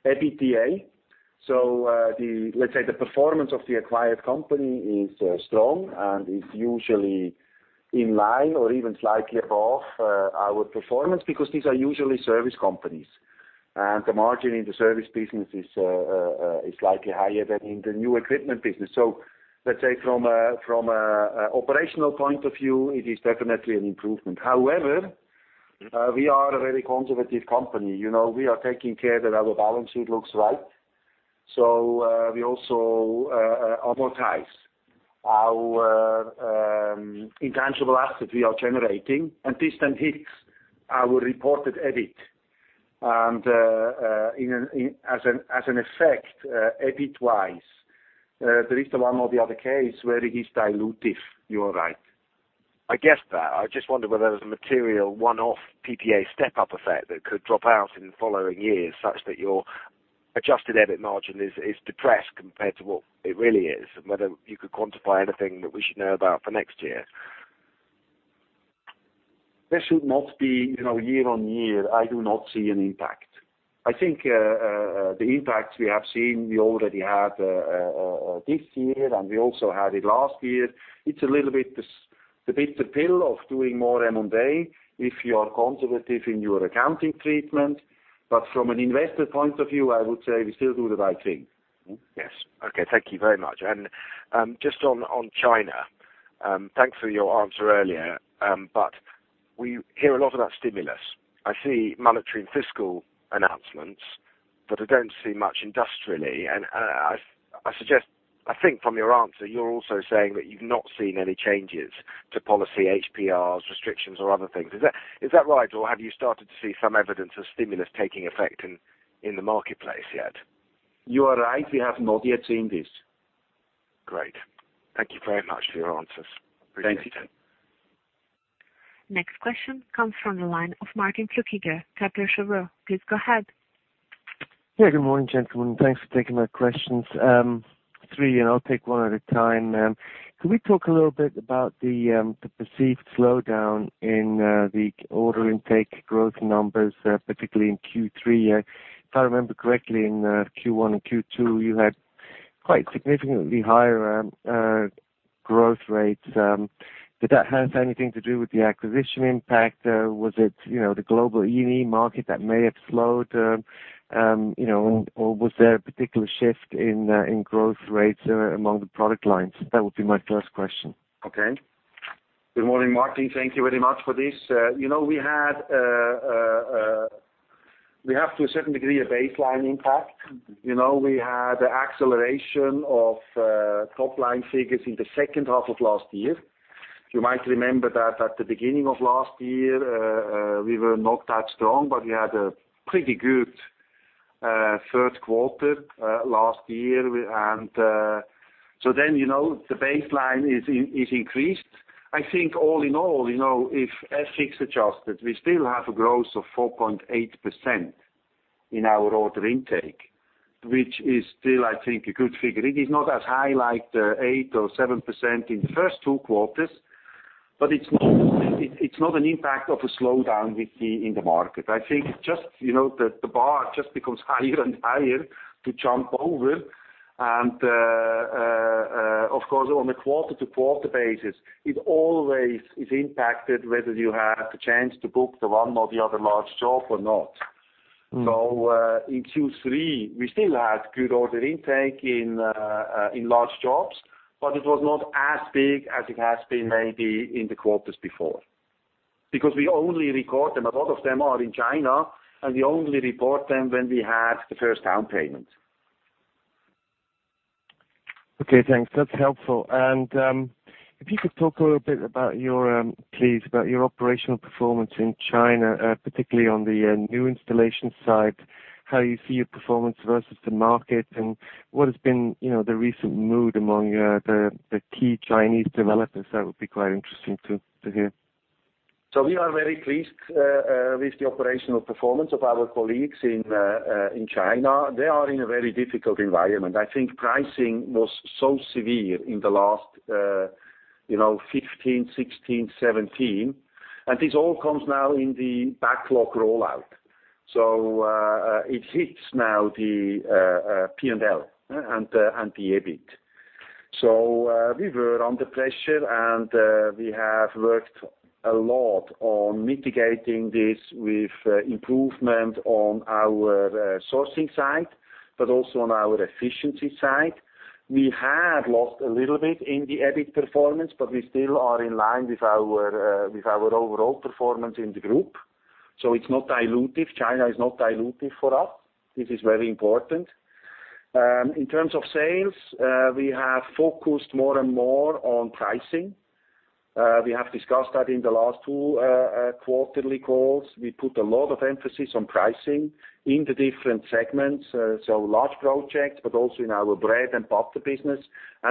B: EBITDA. Let's say the performance of the acquired company is strong and is usually In line or even slightly above our performance, because these are usually service companies, and the margin in the service business is slightly higher than in the new equipment business. Let's say from an operational point of view, it is definitely an improvement. However, we are a very conservative company. We are taking care that our balance sheet looks right. We also amortize our intangible assets we are generating, and this then hits our reported EBIT. As an effect, EBIT-wise, there is the one or the other case where it is dilutive. You are right.
H: I guessed that. I just wondered whether there was a material one-off PPA step-up effect that could drop out in the following years, such that your adjusted EBIT margin is depressed compared to what it really is, and whether you could quantify anything that we should know about for next year.
B: There should not be year-on-year, I do not see an impact. I think the impacts we have seen, we already had this year, and we also had it last year. It's a little bit the bitter pill of doing more M&A if you are conservative in your accounting treatment. From an investor point of view, I would say we still do the right thing.
H: Yes. Okay. Thank you very much. Just on China, thanks for your answer earlier. We hear a lot about stimulus. I see monetary and fiscal announcements, I don't see much industrially. I think from your answer, you're also saying that you've not seen any changes to policy HPRs, restrictions, or other things. Is that right, or have you started to see some evidence of stimulus taking effect in the marketplace yet?
B: You are right. We have not yet seen this.
H: Great. Thank you very much for your answers. Appreciate it.
B: Thank you.
A: Next question comes from the line of Martin Flueckiger, Kepler Cheuvreux. Please go ahead.
I: Yeah, good morning, gentlemen. Thanks for taking my questions. Three. I'll take one at a time. Could we talk a little bit about the perceived slowdown in the order intake growth numbers, particularly in Q3? If I remember correctly, in Q1 and Q2, you had quite significantly higher growth rates. Did that have anything to do with the acquisition impact? Was it the global EV market that may have slowed? Or was there a particular shift in growth rates among the product lines? That would be my first question.
B: Okay. Good morning, Martin. Thank you very much for this. We have, to a certain degree, a baseline impact. We had acceleration of top-line figures in the second half of last year. You might remember that at the beginning of last year, we were not that strong, but we had a pretty good third quarter last year. The baseline is increased. I think all in all, if FX adjusted, we still have a growth of 4.8% in our order intake, which is still, I think, a good figure. It is not as high like 8% or 7% in the first two quarters, but it's not an impact of a slowdown we see in the market. I think the bar just becomes higher and higher to jump over. Of course, on a quarter-to-quarter basis, it always is impacted whether you have the chance to book the one or the other large job or not. In Q3, we still had good order intake in large jobs, but it was not as big as it has been maybe in the quarters before. We only record them. A lot of them are in China, and we only report them when we have the first down payment.
I: Okay, thanks. That's helpful. If you could talk a little bit, please, about your operational performance in China, particularly on the new installation side, how you see your performance versus the market, and what has been the recent mood among the key Chinese developers. That would be quite interesting to hear.
B: We are very pleased with the operational performance of our colleagues in China. They are in a very difficult environment. I think pricing was so severe in the last 2015, 2016, 2017, this all comes now in the backlog rollout. It hits now the P&L and the EBIT. We were under pressure, we have worked a lot on mitigating this with improvement on our sourcing side, also on our efficiency side. We had lost a little bit in the EBIT performance, but we still are in line with our overall performance in the group. It's not dilutive. China is not dilutive for us. This is very important. In terms of sales, we have focused more and more on pricing. We have discussed that in the last two quarterly calls. We put a lot of emphasis on pricing in the different segments, so large projects, also in our bread and butter business.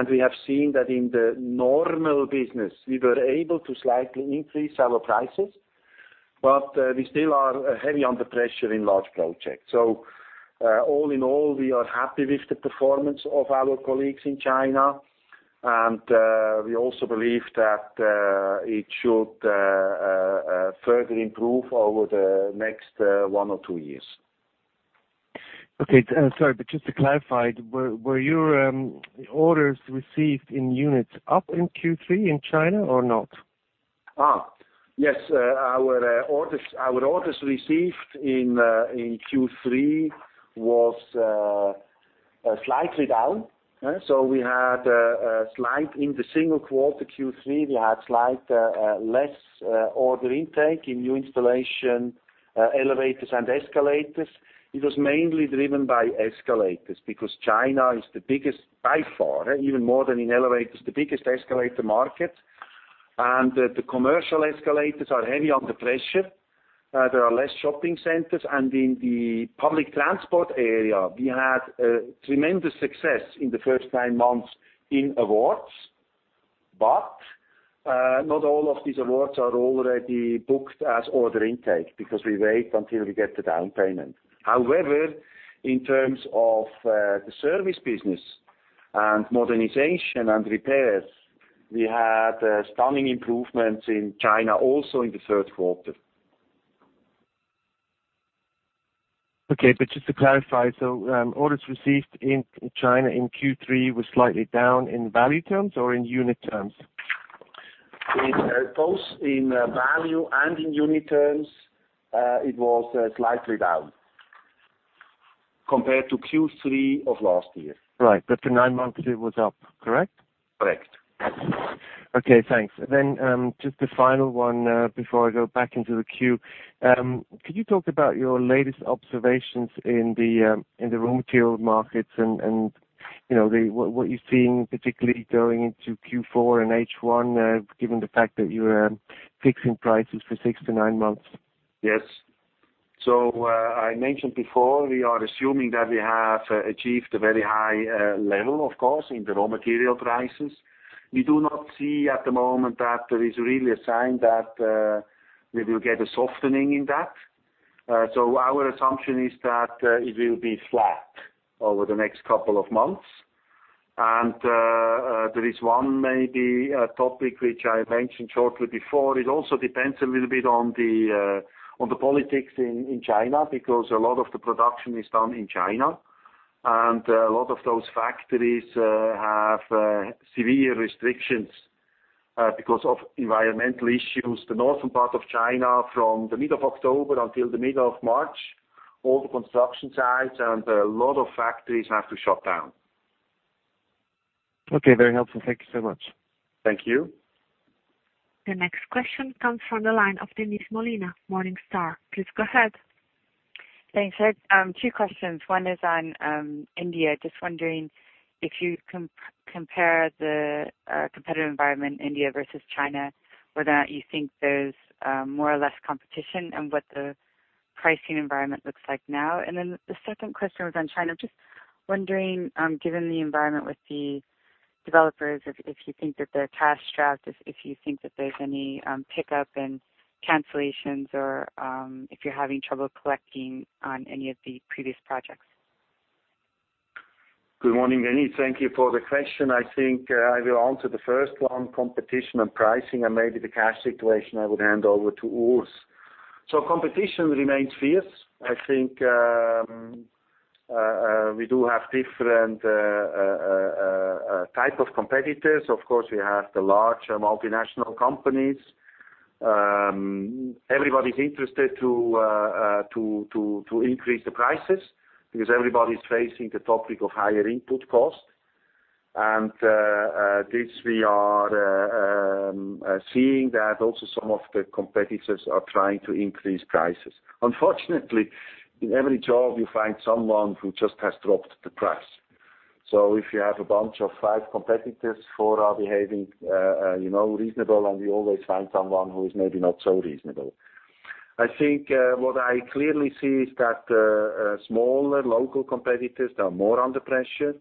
B: We have seen that in the normal business, we were able to slightly increase our prices, we still are heavy under pressure in large projects. All in all, we are happy with the performance of our colleagues in China, and we also believe that it should further improve over the next one or two years.
I: Okay. Just to clarify, were your orders received in units up in Q3 in China or not?
B: Yes. Our orders received in Q3 was slight less order intake in new installation elevators and escalators. It was mainly driven by escalators because China is the biggest by far, even more than in elevators, the biggest escalator market. The commercial escalators are heavy under pressure. There are less shopping centers. In the public transport area, we had tremendous success in the first nine months in awards. Not all of these awards are already booked as order intake because we wait until we get the down payment. However, in terms of the service business and modernization and repairs, we had stunning improvements in China also in the third quarter.
I: Okay. Just to clarify, orders received in China in Q3 were slightly down in value terms or in unit terms?
B: In both. In value and in unit terms, it was slightly down compared to Q3 of last year.
I: Right. The nine months it was up, correct?
B: Correct.
I: Okay, thanks. Just a final one before I go back into the queue. Could you talk about your latest observations in the raw material markets and what you're seeing, particularly going into Q4 and H1 given the fact that you're fixing prices for six to nine months?
B: Yes. I mentioned before, we are assuming that we have achieved a very high level, of course, in the raw material prices. We do not see at the moment that there is really a sign that we will get a softening in that. Our assumption is that it will be flat over the next couple of months. There is one maybe topic which I mentioned shortly before. It also depends a little bit on the politics in China because a lot of the production is done in China. A lot of those factories have severe restrictions because of environmental issues. The northern part of China from the mid of October until the mid of March, all the construction sites and a lot of factories have to shut down.
I: Okay. Very helpful. Thank you so much.
B: Thank you.
A: The next question comes from the line of Denise Molina, Morningstar. Please go ahead.
J: Thanks. Two questions. One is on India. Just wondering if you compare the competitive environment India versus China, whether or not you think there's more or less competition and what the pricing environment looks like now. The second question was on China. Just wondering, given the environment with the developers, if you think that they're cash-strapped, if you think that there's any pickup in cancellations or if you're having trouble collecting on any of the previous projects.
B: Good morning, Denise. Thank you for the question. I think I will answer the first one, competition and pricing, and maybe the cash situation I would hand over to Urs. Competition remains fierce. I think we do have different type of competitors. Of course, we have the larger multinational companies. Everybody's interested to increase the prices because everybody's facing the topic of higher input costs. This we are seeing that also some of the competitors are trying to increase prices. Unfortunately, in every job you find someone who just has dropped the price. If you have a bunch of five competitors, four are behaving reasonable, and we always find someone who is maybe not so reasonable. I think what I clearly see is that smaller local competitors are more under pressure.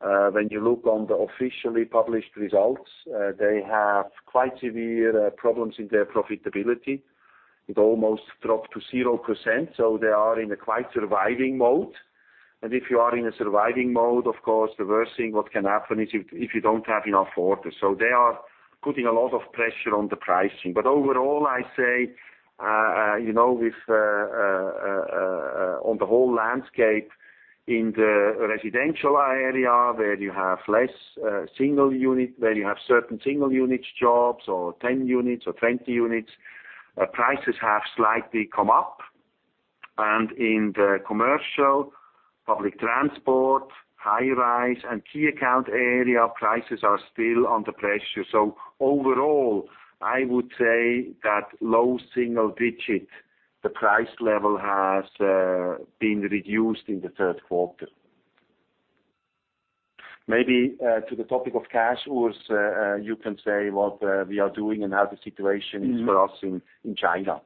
B: When you look on the officially published results, they have quite severe problems in their profitability. They are in a quite surviving mode. If you are in a surviving mode, of course, the worst thing what can happen is if you don't have enough orders. They are putting a lot of pressure on the pricing. Overall, I say, on the whole landscape in the residential area, where you have certain single units jobs or 10 units or 20 units, prices have slightly come up. In the commercial, public transport, high rise, and key account area, prices are still under pressure. Overall, I would say that low single digit, the price level has been reduced in the third quarter. Maybe to the topic of cash, Urs, you can say what we are doing and how the situation is for us in China.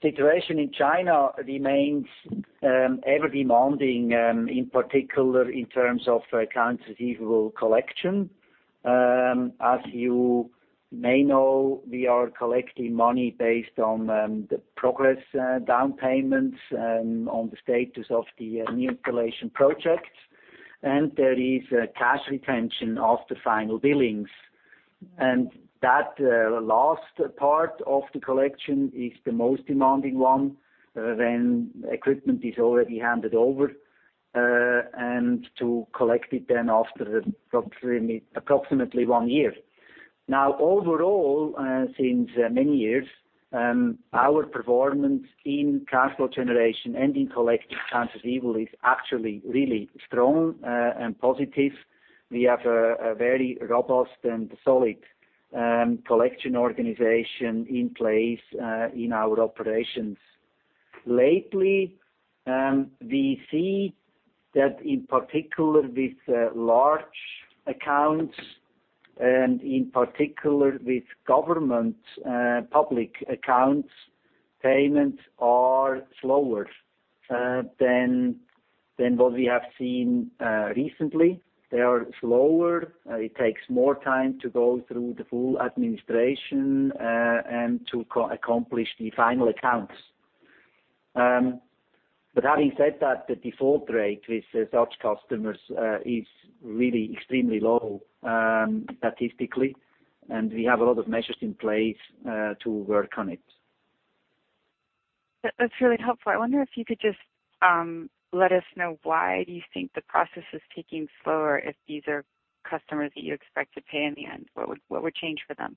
C: The situation in China remains ever demanding, in particular in terms of accounts receivable collection. As you may know, we are collecting money based on the progress down payments and on the status of the new installation projects. There is a cash retention of the final billings. That last part of the collection is the most demanding one. Equipment is already handed over, and to collect it then after approximately one year. Overall, since many years, our performance in cash flow generation and in collecting receivables is actually really strong and positive. We have a very robust and solid collection organization in place in our operations. Lately, we see that in particular with large accounts and in particular with government public accounts, payments are slower than what we have seen recently. They are slower. It takes more time to go through the full administration and to accomplish the final accounts. Having said that, the default rate with such customers is really extremely low statistically, and we have a lot of measures in place to work on it.
J: That's really helpful. I wonder if you could just let us know why you think the process is taking slower, if these are customers that you expect to pay in the end. What would change for them?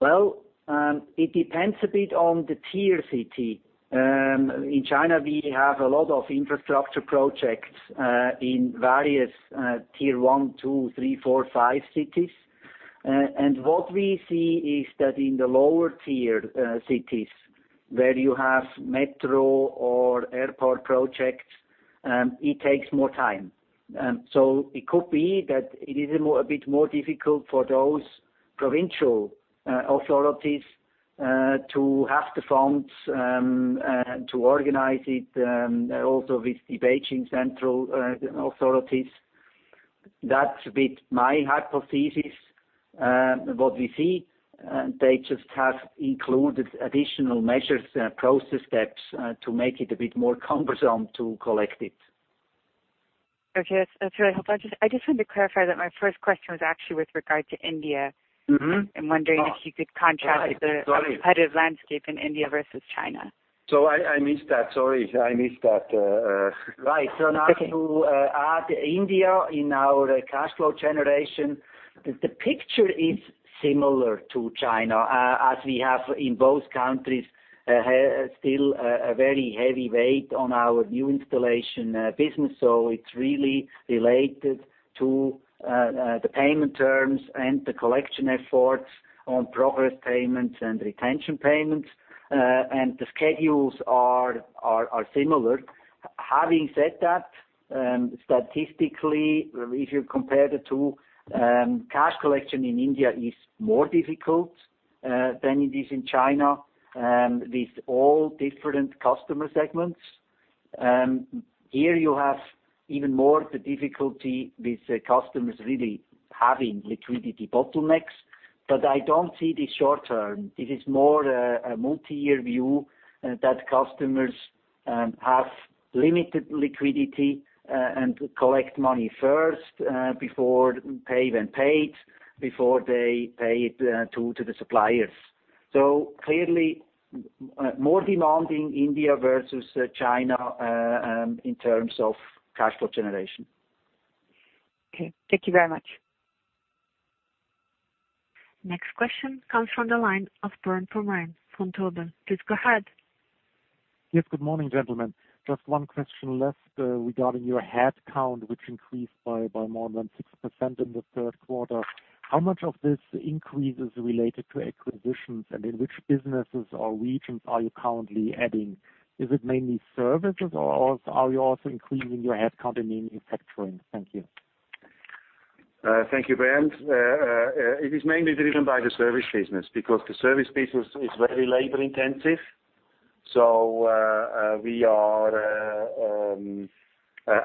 C: Well, it depends a bit on the tier city. In China, we have a lot of infrastructure projects in various tier 1, 2, 3, 4, 5 cities. What we see is that in the lower tier cities, where you have metro or airport projects, it takes more time. It could be that it is a bit more difficult for those provincial authorities to have the funds to organize it, also with the Beijing central authorities. That is a bit my hypothesis. What we see, they just have included additional measures, process steps, to make it a bit more cumbersome to collect it.
J: Okay. That is really helpful. I just want to clarify that my first question was actually with regard to India. I am wondering if you could contrast.
C: Oh, right. Sorry.
J: The competitive landscape in India versus China.
C: I missed that. Sorry, I missed that.
J: It's okay.
C: Right. Now to add India in our cash flow generation, the picture is similar to China, as we have in both countries, still a very heavy weight on our new installation business. It's really related to the payment terms and the collection efforts on progress payments and retention payments. The schedules are similar. Having said that, statistically, if you compare the two, cash collection in India is more difficult than it is in China, with all different customer segments. Here you have even more the difficulty with customers really having liquidity bottlenecks, but I don't see this short-term. It is more a multi-year view that customers have limited liquidity and collect money first before pay when paid, before they pay it to the suppliers. Clearly more demanding India versus China in terms of cash flow generation.
J: Okay. Thank you very much.
A: Next question comes from the line of Bernd Pomrehn. Please go ahead.
K: Yes, good morning, gentlemen. Just one question left regarding your headcount, which increased by more than 6% in the third quarter. How much of this increase is related to acquisitions, and in which businesses or regions are you currently adding? Is it mainly services, or are you also increasing your headcount in manufacturing? Thank you.
C: Thank you, Bernd. It is mainly driven by the service business because the service business is very labor-intensive. We are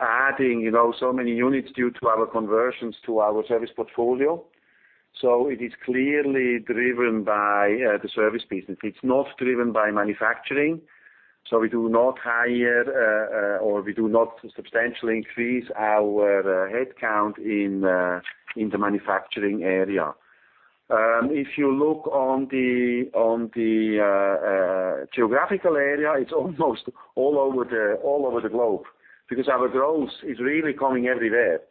C: adding so many units due to our conversions to our service portfolio. It is clearly driven by the service business. It's not driven by manufacturing. We do not hire, or we do not substantially increase our headcount in the manufacturing area. If you look on the geographical area, it's almost all over the globe because our growth is really coming everywhere.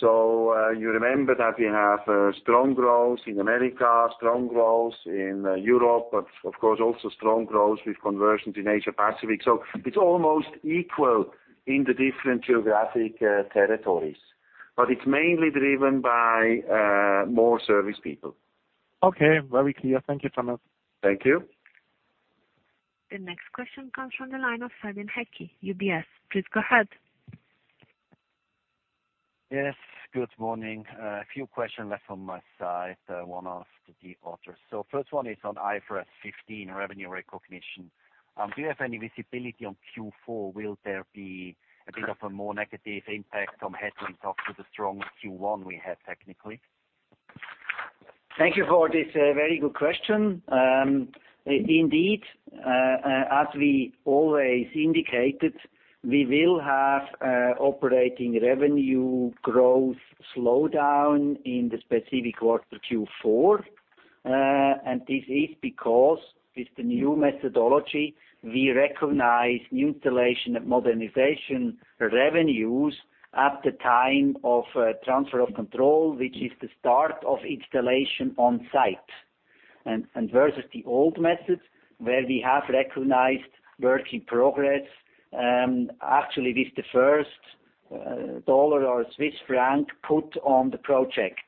C: You remember that we have a strong growth in America, strong growth in Europe, but of course, also strong growth with conversions in Asia Pacific. It's almost equal in the different geographic territories, but it's mainly driven by more service people.
K: Okay, very clear. Thank you, Thomas.
B: Thank you.
A: The next question comes from the line of Fabian Hecky, UBS. Please go ahead.
L: Yes, good morning. A few questions left on my side, one of the others. First one is on IFRS 15 revenue recognition. Do you have any visibility on Q4? Will there be a bit of a more negative impact from headwinds after the strong Q1 we had technically?
C: Thank you for this very good question. Indeed, as we always indicated, we will have operating revenue growth slow down in the specific quarter Q4. This is because with the new methodology, we recognize new installation and modernization revenues at the time of transfer of control, which is the start of installation on site. Versus the old method, where we have recognized work in progress, actually with the first USD or CHF put on the project.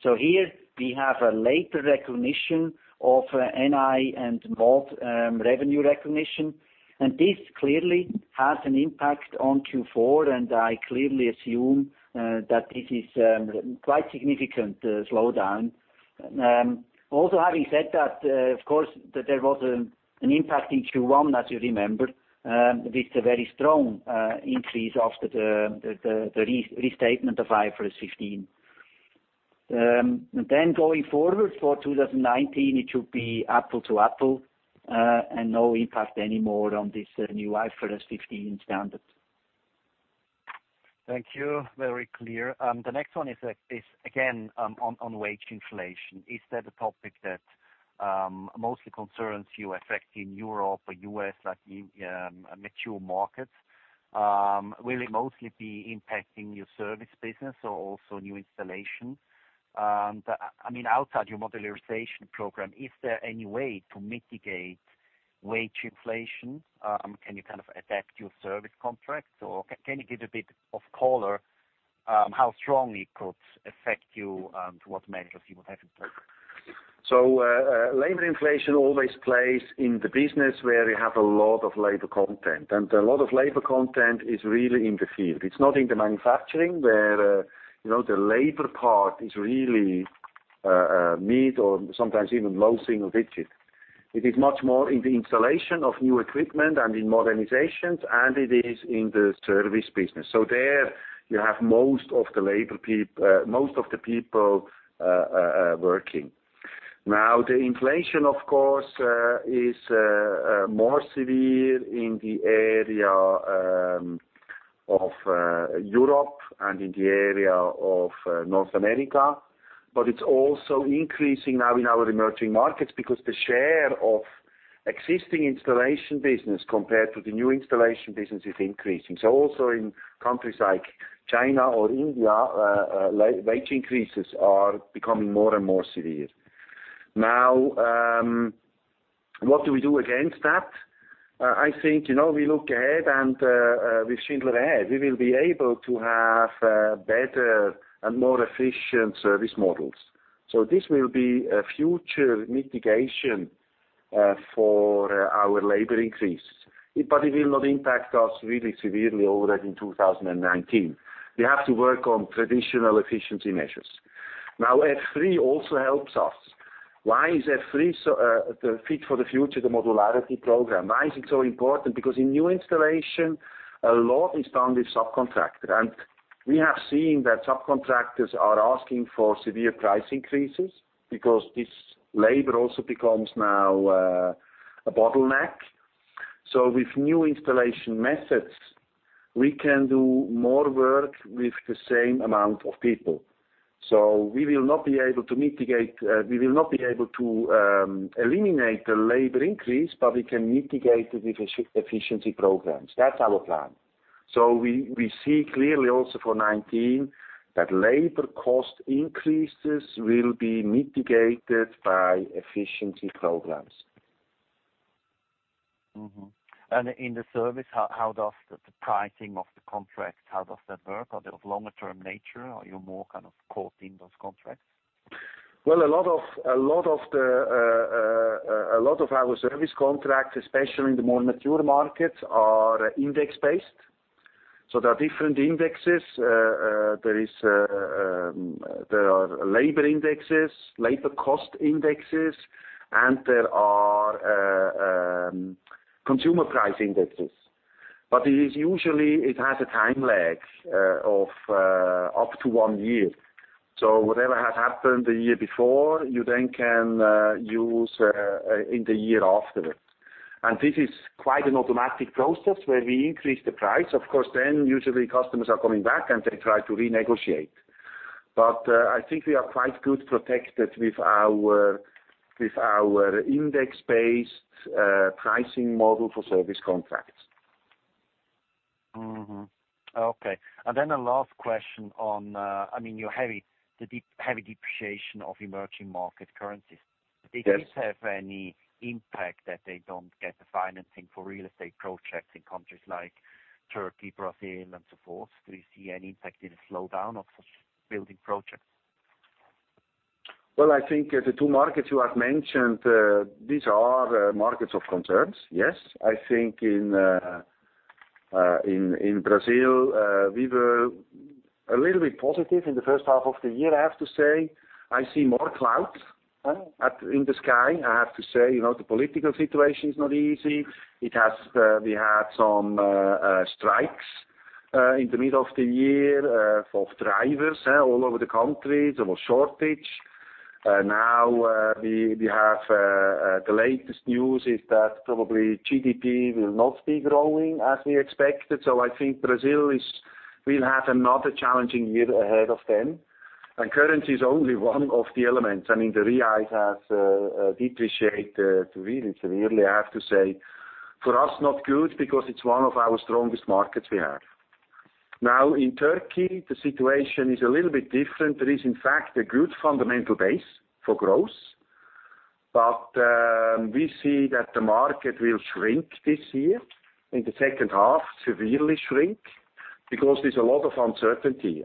C: Here we have a later recognition of NI and MOD revenue recognition, and this clearly has an impact on Q4, and I clearly assume that this is quite significant slowdown. Also, having said that, of course, there was an impact in Q1, as you remember, with a very strong increase after the restatement of IFRS 15. Going forward for 2019, it should be apple-to-apple, and no impact anymore on this new IFRS 15 standard.
L: Thank you. Very clear. The next one is, again, on wage inflation. Is that a topic that mostly concerns you affecting Europe or U.S., like mature markets? Will it mostly be impacting your service business or also new installation? Outside your modularity program, is there any way to mitigate wage inflation? Can you kind of adapt your service contracts, or can you give a bit of color how strongly it could affect you and what measures you would have in place?
C: Labor inflation always plays in the business where we have a lot of labor content, and a lot of labor content is really in the field. It's not in the manufacturing, where the labor part is really mid or sometimes even low single-digits. It is much more in the installation of new equipment and in modernizations, and it is in the service business. There you have most of the people working. The inflation, of course, is more severe in the area of Europe and in the area of North America. It's also increasing now in our emerging markets because the share of existing installation business compared to the new installation business is increasing. Also in countries like China or India, wage increases are becoming more and more severe. What do we do against that? I think, we look ahead and with Schindler Ahead, we will be able to have better and more efficient service models. This will be a future mitigation for our labor increase. It will not impact us really severely already in 2019. F3 also helps us. Why is F3 fit for the future, the Modularity Program? Why is it so important? In new installation, a lot is done with subcontractor. We have seen that subcontractors are asking for severe price increases because this labor also becomes now a bottleneck. With new installation methods, we can do more work with the same amount of people. We will not be able to eliminate the labor increase, but we can mitigate it with efficiency programs. That's our plan. We see clearly also for 2019 that labor cost increases will be mitigated by efficiency programs.
L: In the service, how does the pricing of the contracts, how does that work? Are they of longer-term nature? Are you more kind of caught in those contracts?
C: A lot of our service contracts, especially in the more mature markets, are index-based. There are different indexes. There are labor indexes, labor cost indexes, and there are consumer price indexes. Usually, it has a time lag of up to one year. Whatever has happened the year before, you then can use in the year after it. This is quite an automatic process where we increase the price. Usually customers are coming back, and they try to renegotiate. I think we are quite good protected with our index-based pricing model for service contracts.
L: Okay. A last question on your heavy depreciation of emerging market currencies.
C: Yes.
L: Did this have any impact that they don't get the financing for real estate projects in countries like Turkey, Brazil, and so forth? Do you see any impact in a slowdown of such building projects?
C: Well, I think the two markets you have mentioned, these are markets of concerns, yes. I think in Brazil, we were a little bit positive in the first half of the year, I have to say. I see more clouds in the sky, I have to say. The political situation is not easy. We had some strikes in the middle of the year of drivers all over the country. There was shortage. The latest news is that probably GDP will not be growing as we expected. I think Brazil is
B: We'll have another challenging year ahead of them, currency is only one of the elements. The Real has depreciated really severely, I have to say. For us, not good because it's one of our strongest markets we have. Now, in Turkey, the situation is a little bit different. There is, in fact, a good fundamental base for growth. We see that the market will shrink this year, in the second half, severely shrink, because there's a lot of uncertainty.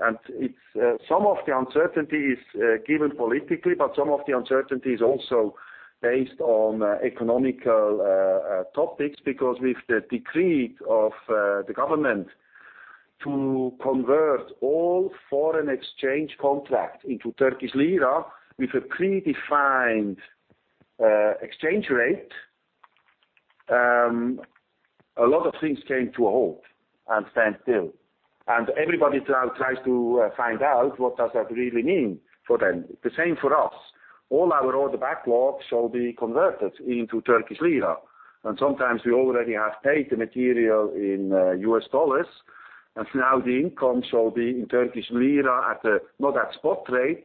B: Some of the uncertainty is given politically, but some of the uncertainty is also based on economical topics, because with the decree of the government to convert all foreign exchange contracts into Turkish lira with a predefined exchange rate, a lot of things came to a halt and stand still. Everybody now tries to find out what does that really mean for them. The same for us. All our order backlogs shall be converted into Turkish lira. Sometimes we already have paid the material in US dollars, now the income shall be in Turkish lira not at spot rate,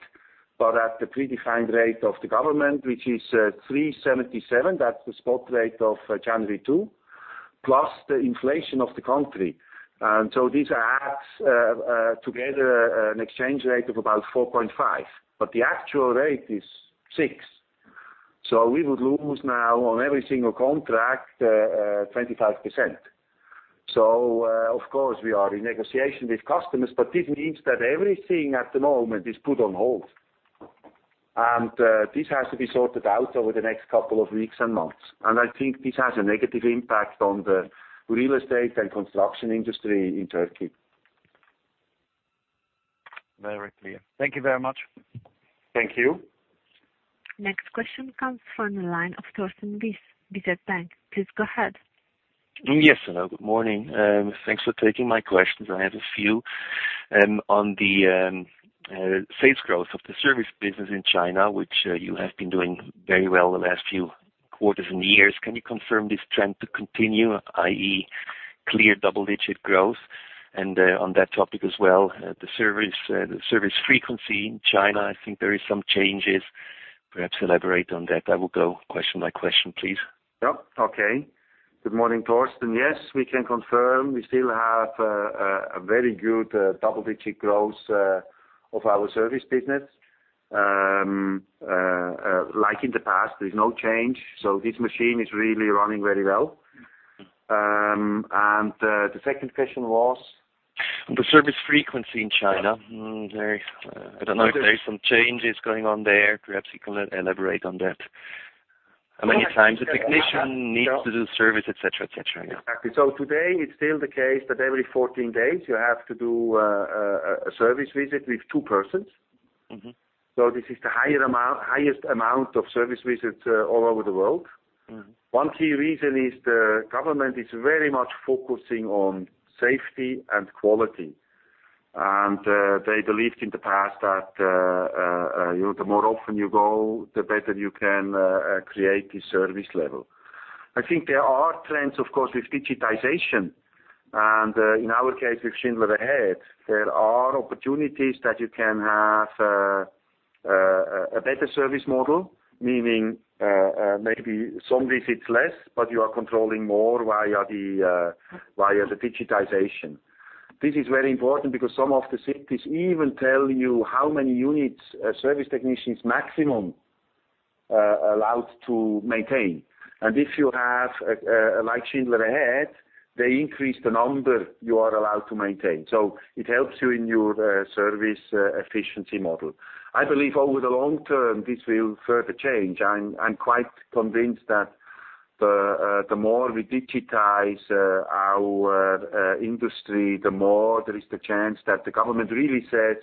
B: but at the predefined rate of the government, which is 377. That's the spot rate of January 2, plus the inflation of the country. This adds together an exchange rate of about 4.5, but the actual rate is 6. We would lose now on every single contract, 25%. Of course we are in negotiation with customers, but this means that everything at the moment is put on hold. This has to be sorted out over the next couple of weeks and months. I think this has a negative impact on the real estate and construction industry in Turkey.
L: Very clear. Thank you very much.
B: Thank you.
A: Next question comes from the line of Torsten Wyss, DZ Bank. Please go ahead.
M: Yes. Hello, good morning. Thanks for taking my questions. I have a few. On the sales growth of the service business in China, which you have been doing very well the last few quarters and years. Can you confirm this trend to continue, i.e., clear double-digit growth? On that topic as well, the service frequency in China, I think there is some changes, perhaps elaborate on that. I will go question by question, please.
B: Yeah. Okay. Good morning, Torsten Wyss. Yes, we can confirm we still have a very good double-digit growth of our service business. Like in the past, there is no change. This machine is really running very well. The second question was?
M: The service frequency in China. I don't know if there is some changes going on there. Perhaps you can elaborate on that. How many times a technician needs to do service, et cetera, et cetera.
B: Exactly. Today it's still the case that every 14 days you have to do a service visit with two persons. This is the highest amount of service visits all over the world. One key reason is the government is very much focusing on safety and quality. They believed in the past that the more often you go, the better you can create the service level. I think there are trends, of course, with digitization. In our case with Schindler Ahead, there are opportunities that you can have a better service model, meaning maybe some visits less, but you are controlling more via the digitization. This is very important because some of the cities even tell you how many units a service technician is maximum allowed to maintain. If you have Schindler Ahead, they increase the number you are allowed to maintain. It helps you in your service efficiency model. I believe over the long term, this will further change. I'm quite convinced that the more we digitize our industry, the more there is the chance that the government really says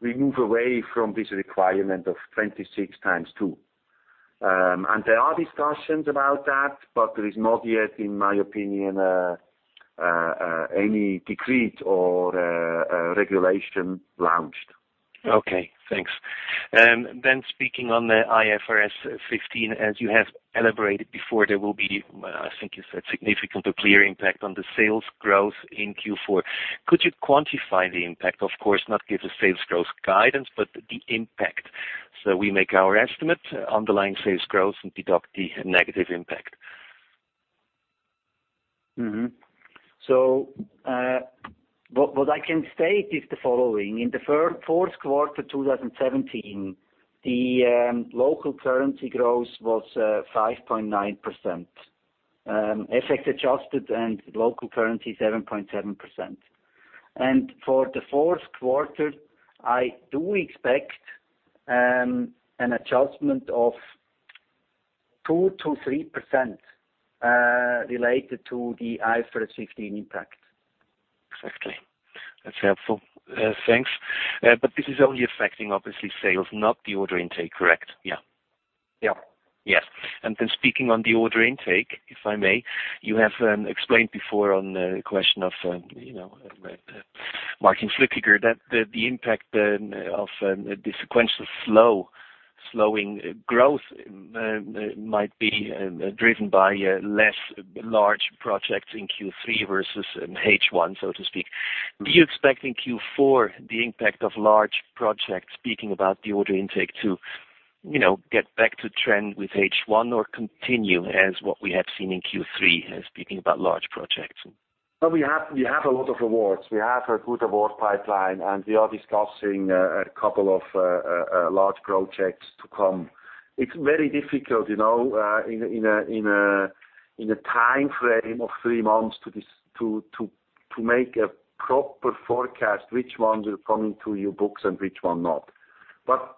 B: we move away from this requirement of 26 times two. There are discussions about that, but there is not yet, in my opinion, any decree or regulation launched.
M: Okay, thanks. Speaking on the IFRS 15, as you have elaborated before, there will be, I think you said, significant or clear impact on the sales growth in Q4. Could you quantify the impact? Of course, not give the sales growth guidance, but the impact. We make our estimate underlying sales growth and deduct the negative impact.
C: What I can state is the following. In the fourth quarter 2017, the local currency growth was 5.9%, FX adjusted and local currency, 7.7%. For the fourth quarter, I do expect an adjustment of 2%-3% related to the IFRS 15 impact.
M: Exactly. That's helpful. Thanks. This is only affecting obviously sales, not the order intake, correct?
C: Yeah.
M: Yes. Speaking on the order intake, if I may, you have explained before on the question of Martin Flueckiger, that the impact of the sequential slowing growth might be driven by less large projects in Q3 versus H1, so to speak. Do you expect in Q4 the impact of large projects, speaking about the order intake, to get back to trend with H1, or continue as what we have seen in Q3, speaking about large projects?
B: Well, we have a lot of awards. We have a good award pipeline, we are discussing a couple of large projects to come. It's very difficult, in a timeframe of three months, to make a proper forecast which ones will come into your books and which ones not.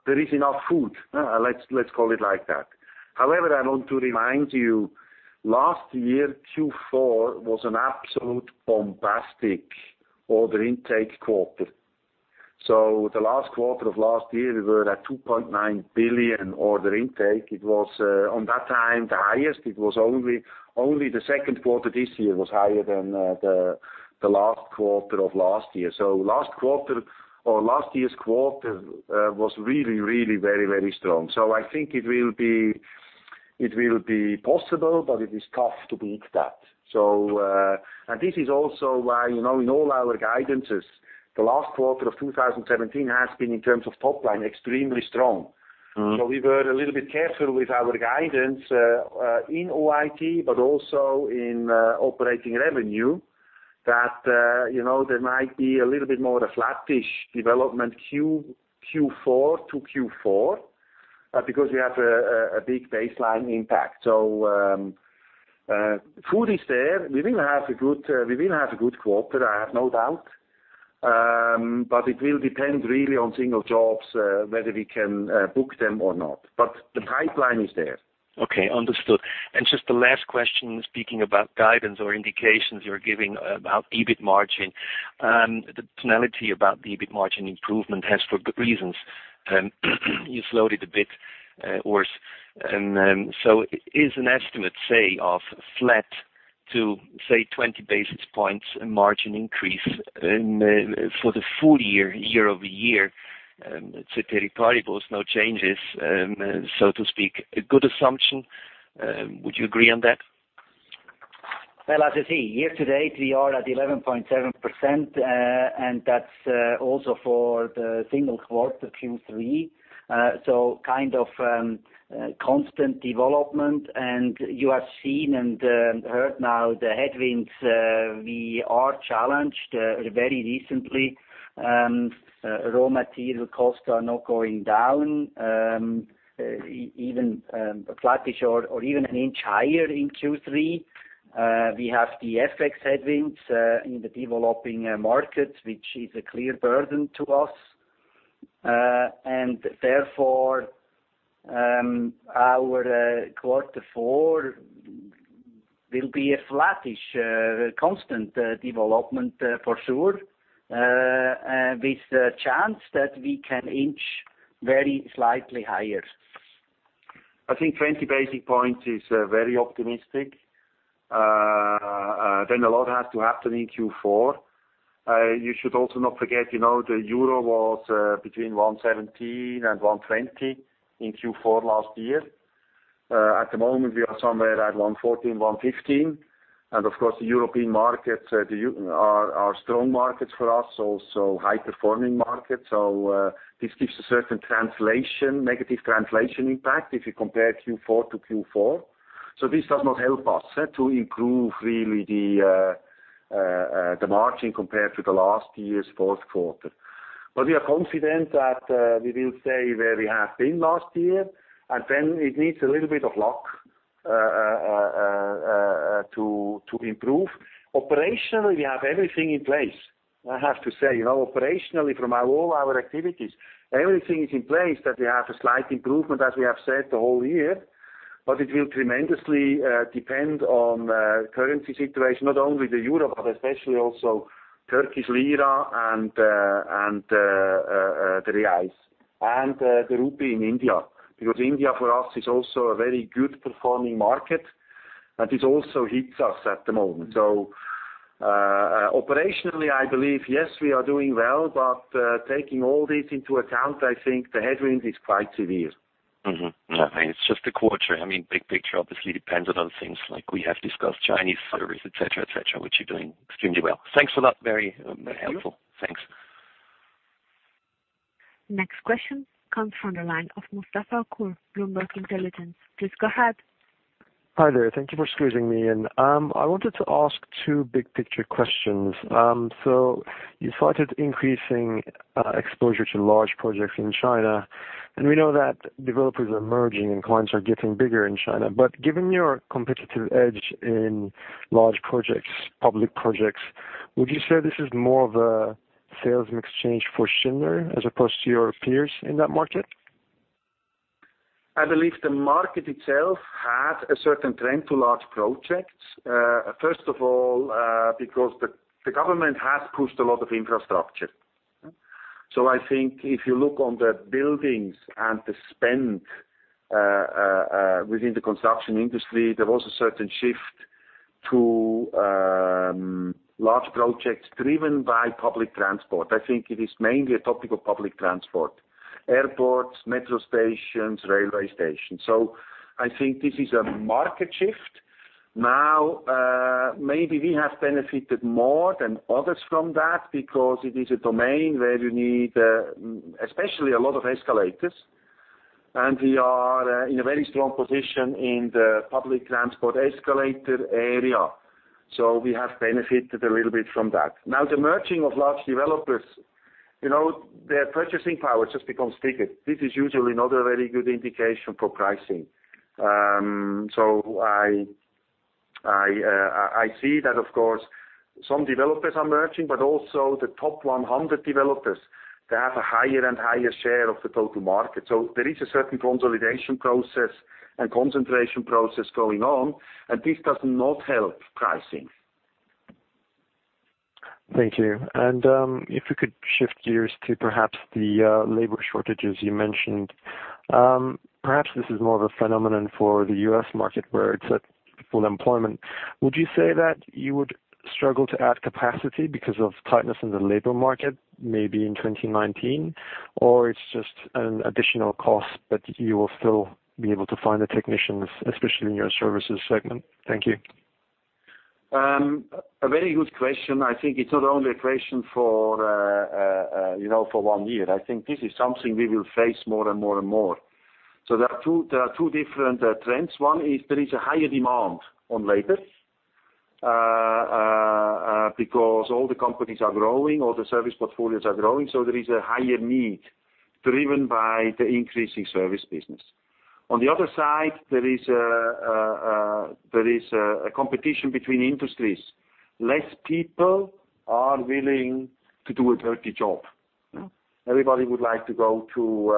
B: There is enough food. Let's call it like that. However, I want to remind you, last year Q4 was an absolute bombastic order intake quarter. The last quarter of last year, we were at 2.9 billion order intake. It was, at that time, the highest. Only the second quarter this year was higher than the last quarter of last year. Last year's quarter was really very strong. I think it will be possible, but it is tough to beat that. This is also why, in all our guidances, the last quarter of 2017 has been, in terms of top line, extremely strong. We were a little bit careful with our guidance in OIT, but also in operating revenue, that there might be a little bit more of a flattish development Q4 to Q4, because we have a big baseline impact. Food is there. We will have a good quarter, I have no doubt. It will depend really on single jobs, whether we can book them or not. The pipeline is there.
M: Okay. Understood. Just the last question, speaking about guidance or indications you're giving about EBIT margin. The tonality about the EBIT margin improvement has, for good reasons, you slowed it a bit worse. Is an estimate, say, of flat to, say, 20 basis points margin increase for the full year-over-year, ceteris paribus, no changes, so to speak, a good assumption? Would you agree on that?
C: Well, as you see, year to date, we are at 11.7%, and that's also for the single quarter Q3. Kind of constant development. You have seen and heard now the headwinds, we are challenged very recently. Raw material costs are not going down, even flattish or even an inch higher in Q3. We have the FX headwinds in the developing markets, which is a clear burden to us. Therefore, our quarter four will be a flattish constant development, for sure, with the chance that we can inch very slightly higher.
B: I think 20 basis points is very optimistic. A lot has to happen in Q4. You should also not forget, the EUR was between 117 and 120 in Q4 last year. At the moment, we are somewhere at 114, 115. Of course, the European markets are strong markets for us, also high-performing markets. This gives a certain negative translation impact if you compare Q4 to Q4. This does not help us to improve really the margin compared to the last year's fourth quarter. We are confident that we will stay where we have been last year, and then it needs a little bit of luck to improve. Operationally, we have everything in place, I have to say. Operationally, from all our activities, everything is in place, that we have a slight improvement, as we have said the whole year. It will tremendously depend on currency situation, not only the EUR, but especially also Turkish lira and the BRL, and the INR in India. Because India, for us, is also a very good performing market, and this also hits us at the moment. Operationally, I believe, yes, we are doing well. Taking all this into account, I think the headwind is quite severe.
M: No, it's just a quarter. Big picture obviously depends on other things like we have discussed, Chinese service, et cetera, which you are doing extremely well. Thanks for that. Very helpful. Thanks.
A: Next question comes from the line of Mustafa Kur, Bloomberg Intelligence. Please go ahead.
N: Hi there. Thank you for squeezing me in. I wanted to ask two big-picture questions. You cited increasing exposure to large projects in China, and we know that developers are merging and clients are getting bigger in China. Given your competitive edge in large projects, public projects, would you say this is more of a sales mix change for Schindler as opposed to your peers in that market?
B: I believe the market itself had a certain trend to large projects. First of all, because the government has pushed a lot of infrastructure. I think if you look on the buildings and the spend within the construction industry, there was a certain shift to large projects driven by public transport. I think it is mainly a topic of public transport. Airports, metro stations, railway stations. I think this is a market shift. Now, maybe we have benefited more than others from that because it is a domain where you need especially a lot of escalators, and we are in a very strong position in the public transport escalator area. We have benefited a little bit from that. Now, the merging of large developers, their purchasing power just becomes bigger. This is usually not a very good indication for pricing. I see that, of course, some developers are merging, but also the top 100 developers, they have a higher and higher share of the total market. There is a certain consolidation process and concentration process going on, and this does not help pricing.
N: Thank you. If we could shift gears to perhaps the labor shortages you mentioned. Perhaps this is more of a phenomenon for the U.S. market where it's at full employment. Would you say that you would struggle to add capacity because of tightness in the labor market maybe in 2019? It's just an additional cost, but you will still be able to find the technicians, especially in your services segment? Thank you.
B: A very good question. I think it's not only a question for one year. I think this is something we will face more and more and more. There are two different trends. One is there is a higher demand on labor, because all the companies are growing, all the service portfolios are growing. There is a higher need driven by the increasing service business. On the other side, there is a competition between industries. Less people are willing to do a dirty job. Everybody would like to go to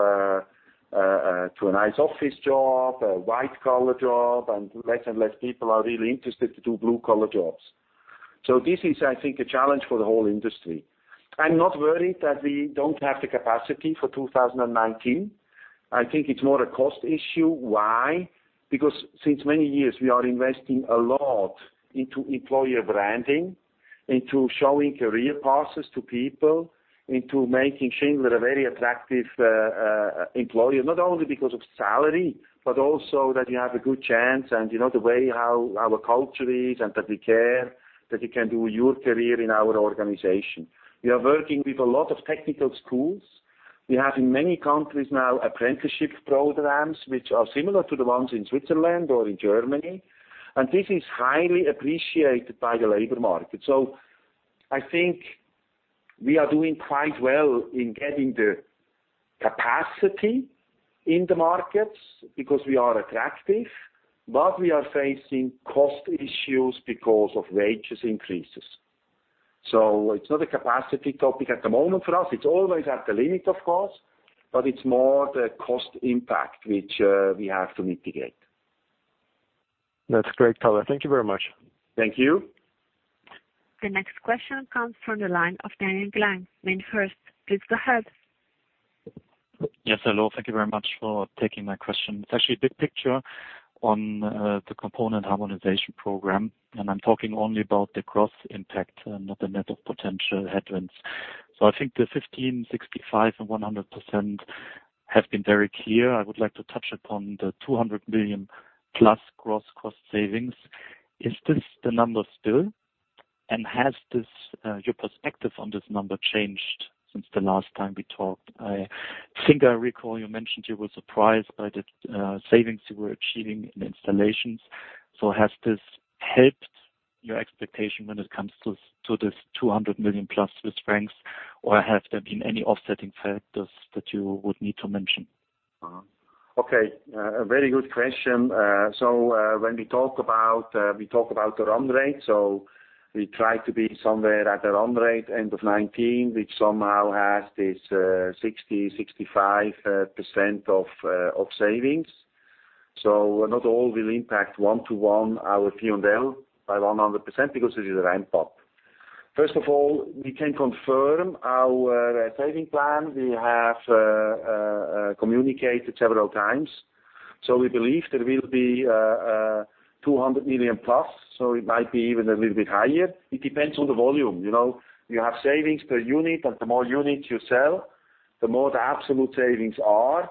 B: a nice office job, a white-collar job. Less and less people are really interested to do blue-collar jobs. This is, I think, a challenge for the whole industry. I'm not worried that we don't have the capacity for 2019. I think it's more a cost issue. Why? Since many years, we are investing a lot into employer branding, into showing career paths to people, into making Schindler a very attractive employer. Not only because of salary, also that you have a good chance, and the way our culture is, and that we care that you can do your career in our organization. We are working with a lot of technical schools. We have in many countries now apprenticeship programs, which are similar to the ones in Switzerland or in Germany. This is highly appreciated by the labor market. I think we are doing quite well in getting the capacity in the markets because we are attractive, but we are facing cost issues because of wages increases. It's not a capacity topic at the moment for us. It's always at the limit, of course, but it's more the cost impact which we have to mitigate.
N: That's great, Thomas. Thank you very much.
B: Thank you.
A: The next question comes from the line of Daniel Gleim, MainFirst. Please go ahead.
O: Yes, hello. Thank you very much for taking my question. It's actually a big picture on the component harmonization program, and I'm talking only about the gross impact and not the net of potential headwinds. I think the 15%, 65%, and 100% have been very clear. I would like to touch upon the 200 million plus gross cost savings. Is this the number still? Has your perspective on this number changed since the last time we talked? I think I recall you mentioned you were surprised by the savings you were achieving in installations. Has this helped your expectation when it comes to this 200 million plus, or have there been any offsetting factors that you would need to mention?
B: Okay, a very good question. When we talk about the run rate, so we try to be somewhere at the run rate end of 2019, which somehow has this 60%-65% of savings. Not all will impact one-to-one our P&L by 100% because it is a ramp-up. First of all, we can confirm our saving plan. We have communicated several times. We believe there will be 200 million plus, so it might be even a little bit higher. It depends on the volume. You have savings per unit, and the more units you sell, the more the absolute savings are,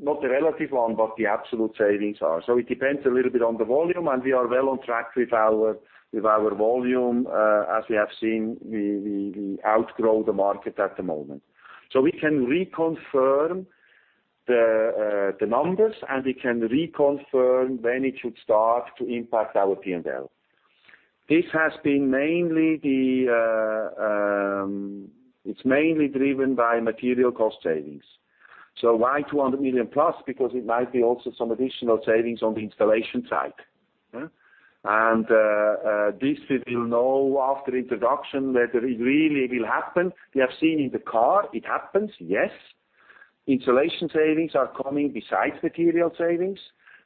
B: not the relative one, but the absolute savings are. It depends a little bit on the volume, and we are well on track with our volume. As we have seen, we outgrow the market at the moment. We can reconfirm the numbers, and we can reconfirm when it should start to impact our P&L. It's mainly driven by material cost savings. Why 200 million plus? Because it might be also some additional savings on the installation side. This we will know after introduction whether it really will happen. We have seen in the car, it happens, yes. Installation savings are coming besides material savings.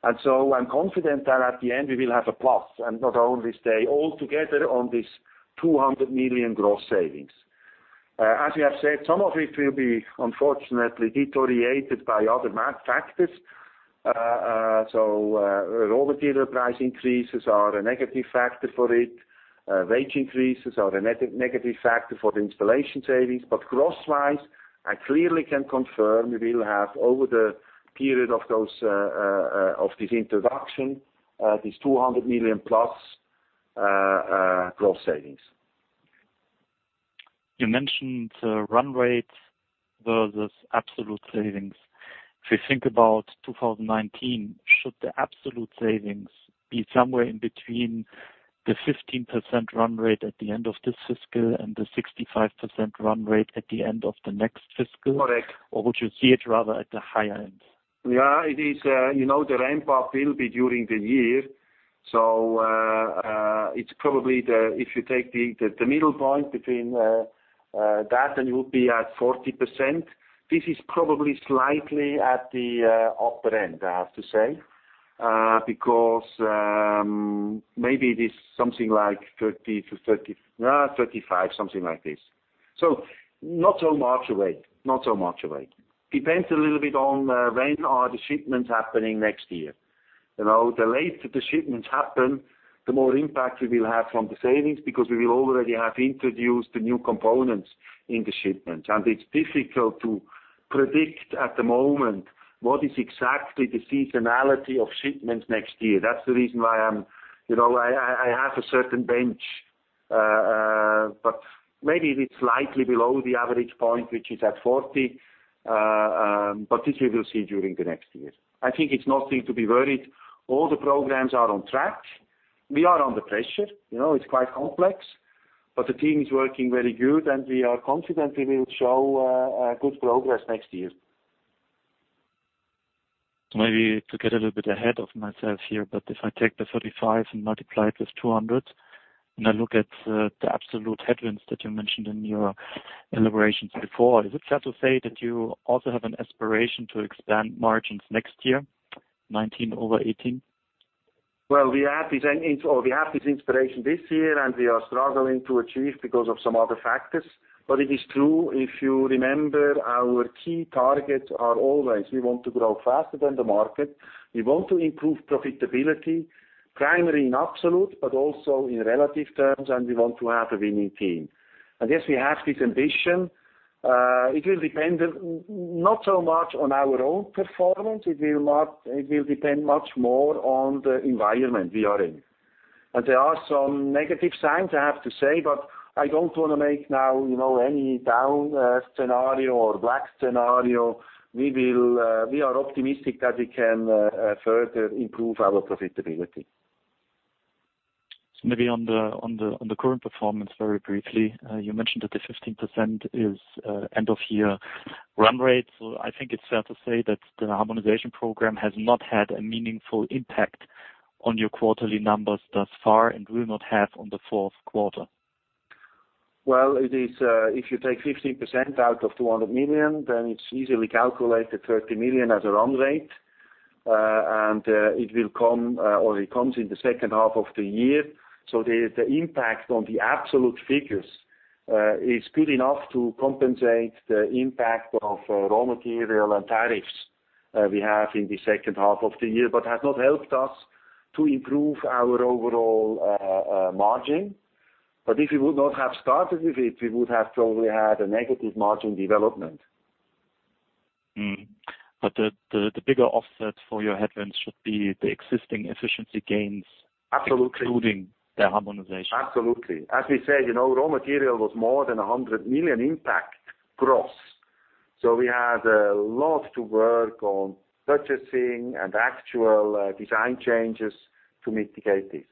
B: I'm confident that at the end, we will have a plus, not only stay all together on this 200 million gross savings. As we have said, some of it will be unfortunately deteriorated by other factors. Raw material price increases are a negative factor for it. Wage increases are a negative factor for the installation savings. Gross wise, I clearly can confirm we will have over the period of this introduction, this 200 million-plus gross savings.
O: You mentioned run rate versus absolute savings. If you think about 2019, should the absolute savings be somewhere in between the 15% run rate at the end of this fiscal and the 65% run rate at the end of the next fiscal?
B: Correct.
O: Would you see it rather at the higher end?
B: Yeah, the ramp-up will be during the year. It's probably, if you take the middle point between that, and you will be at 40%. This is probably slightly at the upper end, I have to say. Because maybe it is something like 30%-35%, something like this. Not so much away. Depends a little bit on when are the shipments happening next year. The later the shipments happen, the more impact we will have from the savings, because we will already have introduced the new components in the shipments. It's difficult to predict at the moment what is exactly the seasonality of shipments next year. That's the reason why I have a certain bench. Maybe it is slightly below the average point, which is at 40%. This we will see during the next year. I think it's nothing to be worried. All the programs are on track. We are under pressure. It's quite complex. The team is working very good, and we are confident we will show good progress next year.
O: Maybe to get a little bit ahead of myself here, but if I take the 35% and multiply it with 200, and I look at the absolute headwinds that you mentioned in your elaborations before. Is it fair to say that you also have an aspiration to expand margins next year, 2019 over 2018?
B: Well, we have this aspiration this year, and we are struggling to achieve because of some other factors. It is true, if you remember, our key targets are always, we want to grow faster than the market. We want to improve profitability, primarily in absolute, but also in relative terms, and we want to have a winning team. Yes, we have this ambition. It will depend not so much on our own performance. It will depend much more on the environment we are in. There are some negative signs, I have to say, but I don't want to make now any down scenario or black scenario. We are optimistic that we can further improve our profitability.
O: Maybe on the current performance, very briefly. You mentioned that the 15% is end of year run rate. I think it is fair to say that the harmonization program has not had a meaningful impact on your quarterly numbers thus far and will not have on the fourth quarter.
B: If you take 15% out of 200 million, then it is easily calculated 30 million as a run rate. It comes in the second half of the year. The impact on the absolute figures is good enough to compensate the impact of raw material and tariffs we have in the second half of the year but has not helped us to improve our overall margin. If we would not have started with it, we would have probably had a negative margin development.
O: The bigger offset for your headwinds should be the existing efficiency gains-
B: Absolutely
O: excluding the harmonization.
B: Absolutely. As we said, raw material was more than 100 million impact gross. We had a lot to work on purchasing and actual design changes to mitigate this.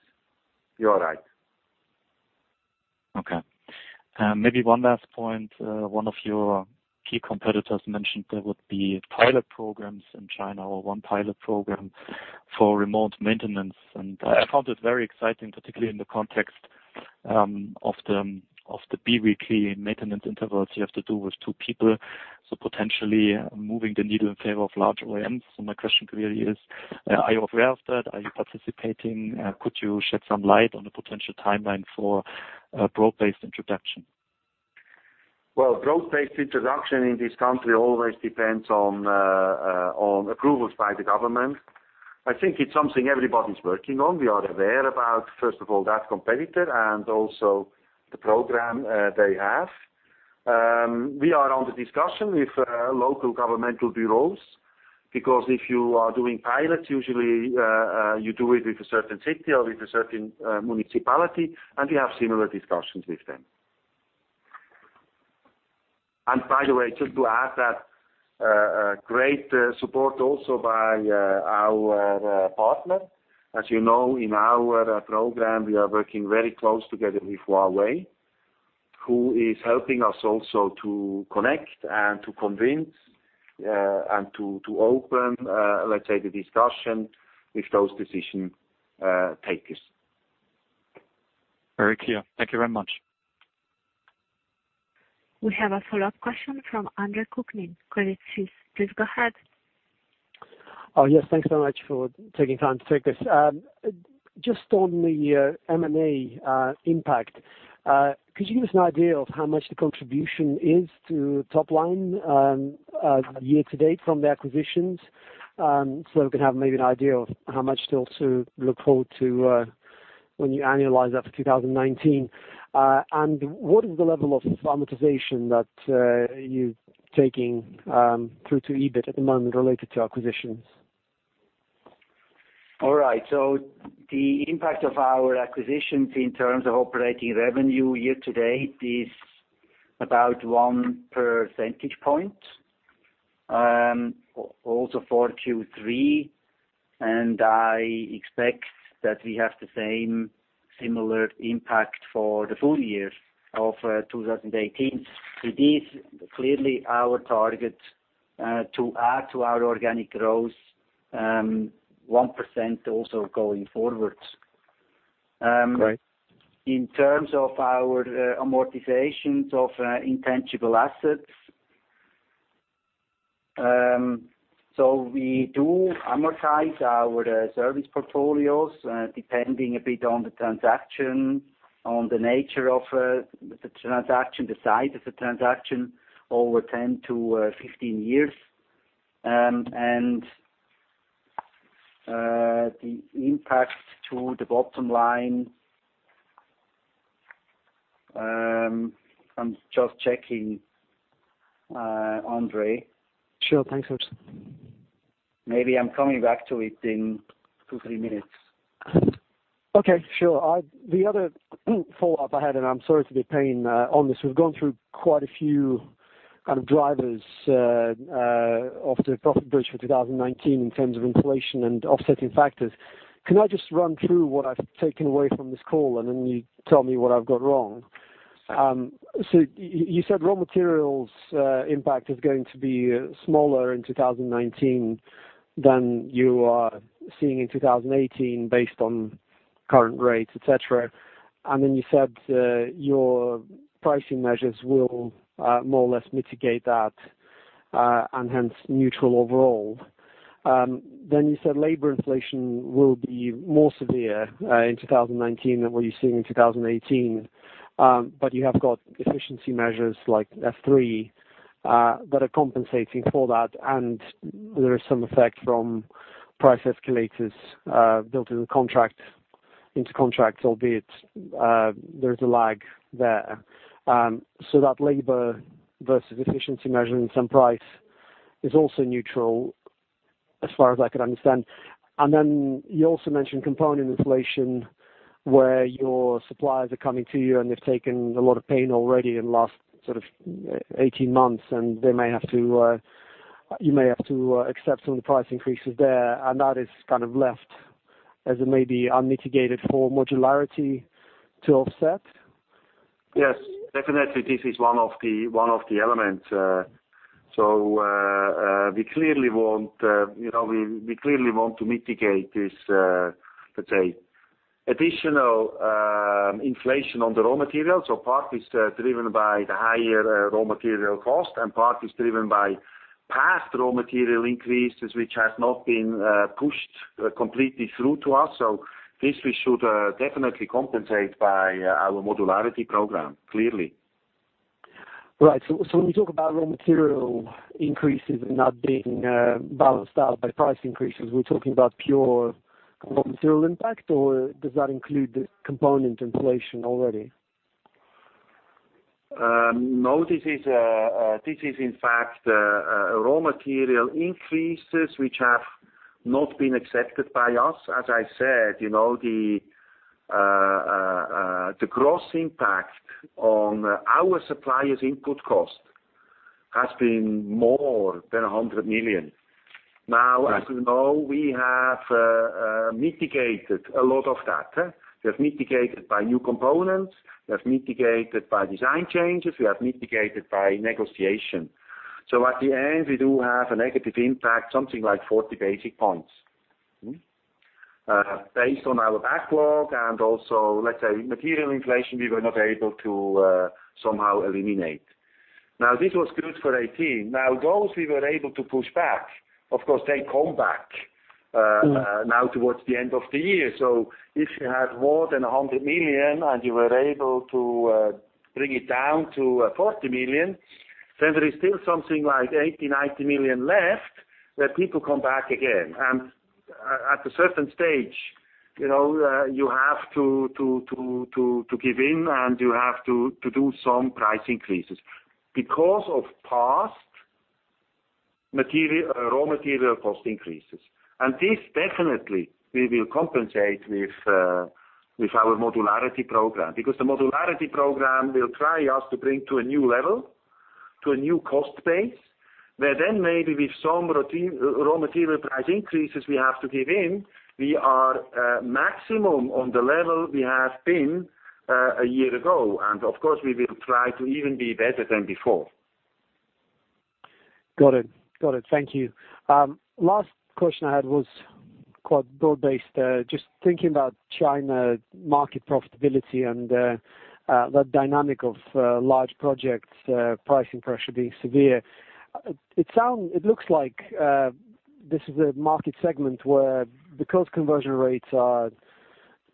B: You are right.
O: Okay. Maybe one last point. One of your key competitors mentioned there would be pilot programs in China or one pilot program for remote maintenance, and I found it very exciting, particularly in the context of the biweekly maintenance intervals you have to do with two people. Potentially moving the needle in favor of larger OEMs. My question to you really is, are you aware of that? Are you participating? Could you shed some light on the potential timeline for broad-based introduction?
B: Well, broad-based introduction in this country always depends on approvals by the government. I think it's something everybody's working on. We are aware about, first of all, that competitor and also the program they have. We are on the discussion with local governmental bureaus, because if you are doing pilots, usually you do it with a certain city or with a certain municipality, and we have similar discussions with them. By the way, just to add that, great support also by our partner. As you know, in our program, we are working very close together with Huawei, who is helping us also to connect and to convince and to open, let's say, the discussion with those decision takers.
O: Very clear. Thank you very much.
A: We have a follow-up question from Andre Kukhnin, Credit Suisse. Please go ahead.
D: Oh, yes. Thanks so much for taking time to take this. Just on the M&A impact, could you give us an idea of how much the contribution is to top line year-to-date from the acquisitions? We can have maybe an idea of how much still to look forward to when you annualize that for 2019. What is the level of amortization that you're taking through to EBIT at the moment related to acquisitions?
C: All right. The impact of our acquisitions in terms of operating revenue year-to-date is about one percentage point, also for Q3. I expect that we have the same similar impact for the full year of 2018. It is clearly our target to add to our organic growth 1% also going forward.
D: Great.
C: In terms of our amortizations of intangible assets, we do amortize our service portfolios, depending a bit on the transaction, on the nature of the transaction, the size of the transaction, over 10-15 years. The impact to the bottom line I'm just checking, Andre.
D: Sure. Thanks, Urs.
C: Maybe I'm coming back to it in two, three minutes.
D: Okay, sure. The other follow-up I had, I'm sorry to be paying on this, we've gone through quite a few kind of drivers of the profit bridge for 2019 in terms of inflation and offsetting factors. Can I just run through what I've taken away from this call, and then you tell me what I've got wrong? You said raw materials impact is going to be smaller in 2019 than you are seeing in 2018 based on current rates, et cetera. Then you said your pricing measures will more or less mitigate that, and hence neutral overall. You said labor inflation will be more severe in 2019 than what you're seeing in 2018. But you have got efficiency measures like F3 that are compensating for that, and there is some effect from price escalators built into contracts, albeit there's a lag there. That labor versus efficiency measure and some price is also neutral as far as I could understand. Then you also mentioned component inflation, where your suppliers are coming to you, and they've taken a lot of pain already in the last sort of 18 months, and you may have to accept some of the price increases there, and that is kind of left as it may be unmitigated for modularity to offset.
C: Yes, definitely. This is one of the elements. We clearly want to mitigate this, let's say, additional inflation on the raw materials. Part is driven by the higher raw material cost, and part is driven by past raw material increases, which has not been pushed completely through to us. This we should definitely compensate by our modularity program, clearly.
D: Right. When we talk about raw material increases not being balanced out by price increases, we're talking about pure raw material impact, or does that include the component inflation already?
C: No. This is in fact raw material increases which have not been accepted by us. As I said, the gross impact on our suppliers' input cost has been more than 100 million. As you know, we have mitigated a lot of that. We have mitigated by new components, we have mitigated by design changes, we have mitigated by negotiation. At the end, we do have a negative impact, something like 40 basis points. Based on our backlog and also, let's say, material inflation, we were not able to somehow eliminate. This was good for 2018. Those we were able to push back, of course, they come back now towards the end of the year. If you had more than 100 million and you were able to bring it down to 40 million, then there is still something like 80 million, 90 million left that people come back again. At a certain stage, you have to give in and you have to do some price increases because of past raw material cost increases. This definitely we will compensate with our modularity program. The modularity program will try us to bring to a new level, to a new cost base, where then maybe with some raw material price increases we have to give in, we are maximum on the level we have been a year ago. Of course, we will try to even be better than before.
D: Got it. Thank you. Last question I had was quite broad-based. Just thinking about China market profitability and that dynamic of large projects pricing pressure being severe. It looks like this is a market segment where the cost conversion rates are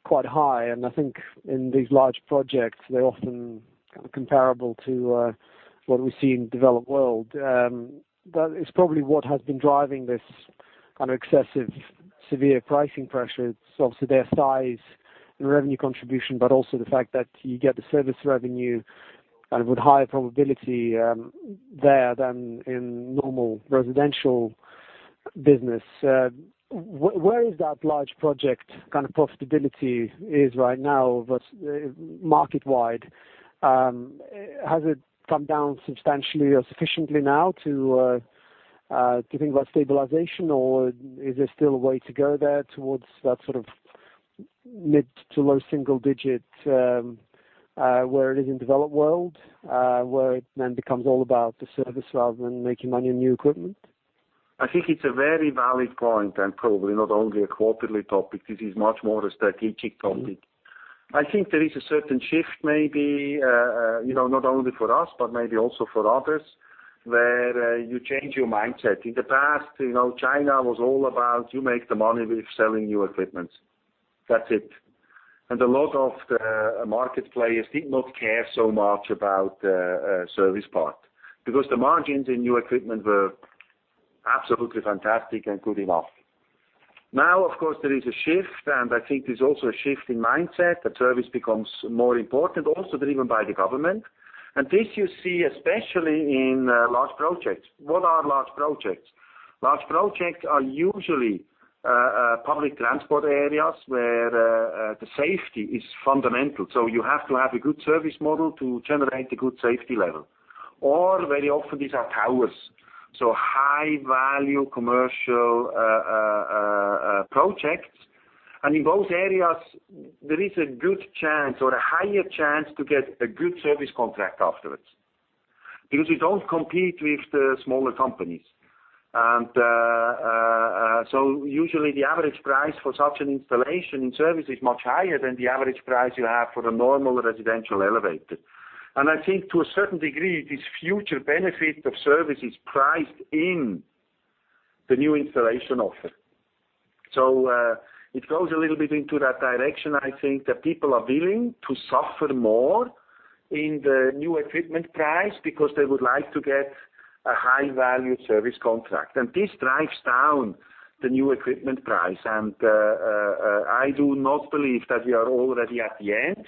D: quite high, and I think in these large projects, they are often comparable to what we see in the developed world. That is probably what has been driving this excessive severe pricing pressure. It is obviously their size and revenue contribution, but also the fact that you get the service revenue and with higher probability there than in normal residential business. Where is that large project profitability right now, but market-wide? Has it come down substantially or sufficiently now to think about stabilization, or is there still a way to go there towards that sort of mid to low single digit, where it is in developed world, where it then becomes all about the service rather than making money on new equipment?
B: I think it is a very valid point, probably not only a quarterly topic. This is much more a strategic topic. I think there is a certain shift maybe, not only for us but maybe also for others, where you change your mindset. In the past, China was all about you make the money with selling new equipment. That is it. A lot of the market players did not care so much about service part, because the margins in new equipment were absolutely fantastic and good enough. Now, of course, there is a shift, I think there is also a shift in mindset that service becomes more important, also driven by the government. This you see, especially in large projects. What are large projects? Large projects are usually public transport areas where the safety is fundamental, so you have to have a good service model to generate a good safety level. Very often, these are towers. High-value commercial projects. In both areas, there is a good chance or a higher chance to get a good service contract afterwards. Because you do not compete with the smaller companies. Usually the average price for such an installation in service is much higher than the average price you have for a normal residential elevator. I think to a certain degree, this future benefit of service is priced in the new installation offer. It goes a little bit into that direction, I think, that people are willing to suffer more in the new equipment price because they would like to get a high-value service contract. This drives down the new equipment price. I do not believe that we are already at the end,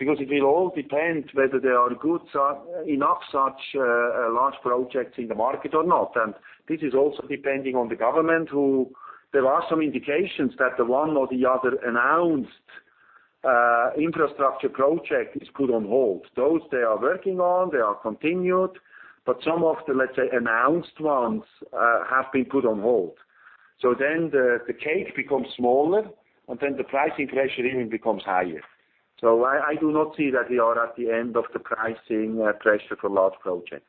B: because it will all depend whether there are enough such large projects in the market or not. This is also depending on the government who, there are some indications that the one or the other announced infrastructure project is put on hold. Those they are working on, they are continued, but some of the, let's say, announced ones have been put on hold. Then the cake becomes smaller, and the pricing pressure even becomes higher. I do not see that we are at the end of the pricing pressure for large projects.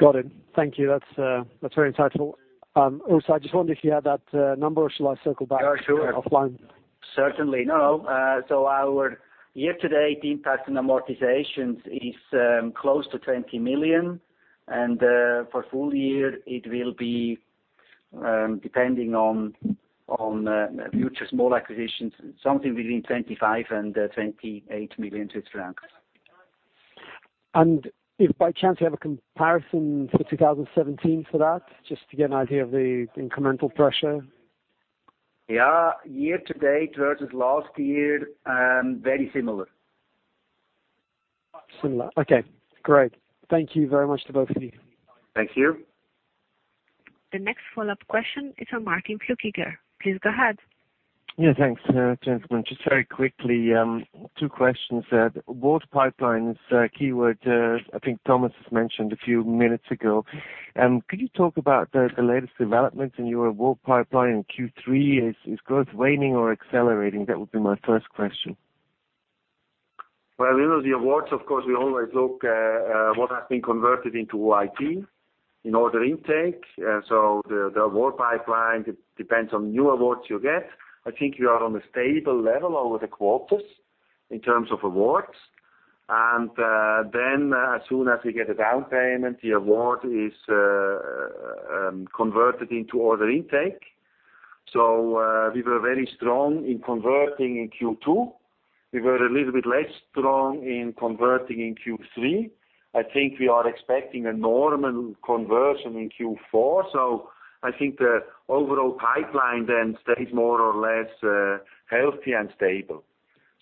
D: Got it. Thank you. That's very insightful. Urs, I just wonder if you have that number, or shall I circle back?
C: Yeah, sure.
D: offline?
C: Certainly. No. Our year-to-date impact in amortizations is close to 20 million, and for full year, it will be depending on future small acquisitions, something within 25 million-28 million.
D: If by chance you have a comparison for 2017 for that, just to get an idea of the incremental pressure?
C: Yeah. Year-to-date versus last year, very similar.
D: Similar. Okay, great. Thank you very much to both of you.
B: Thank you.
A: The next follow-up question is from Martin Hüsler. Please go ahead.
P: Yeah, thanks, gentlemen. Just very quickly, two questions. Awards pipeline is a keyword I think Thomas has mentioned a few minutes ago. Could you talk about the latest developments in your award pipeline in Q3? Is growth waning or accelerating? That would be my first question.
B: Well, with the awards, of course, we always look at what has been converted into OIT in order intake. The award pipeline depends on new awards you get. I think we are on a stable level over the quarters in terms of awards. As soon as we get a down payment, the award is converted into order intake. We were very strong in converting in Q2. We were a little bit less strong in converting in Q3. I think we are expecting a normal conversion in Q4. I think the overall pipeline then stays more or less healthy and stable.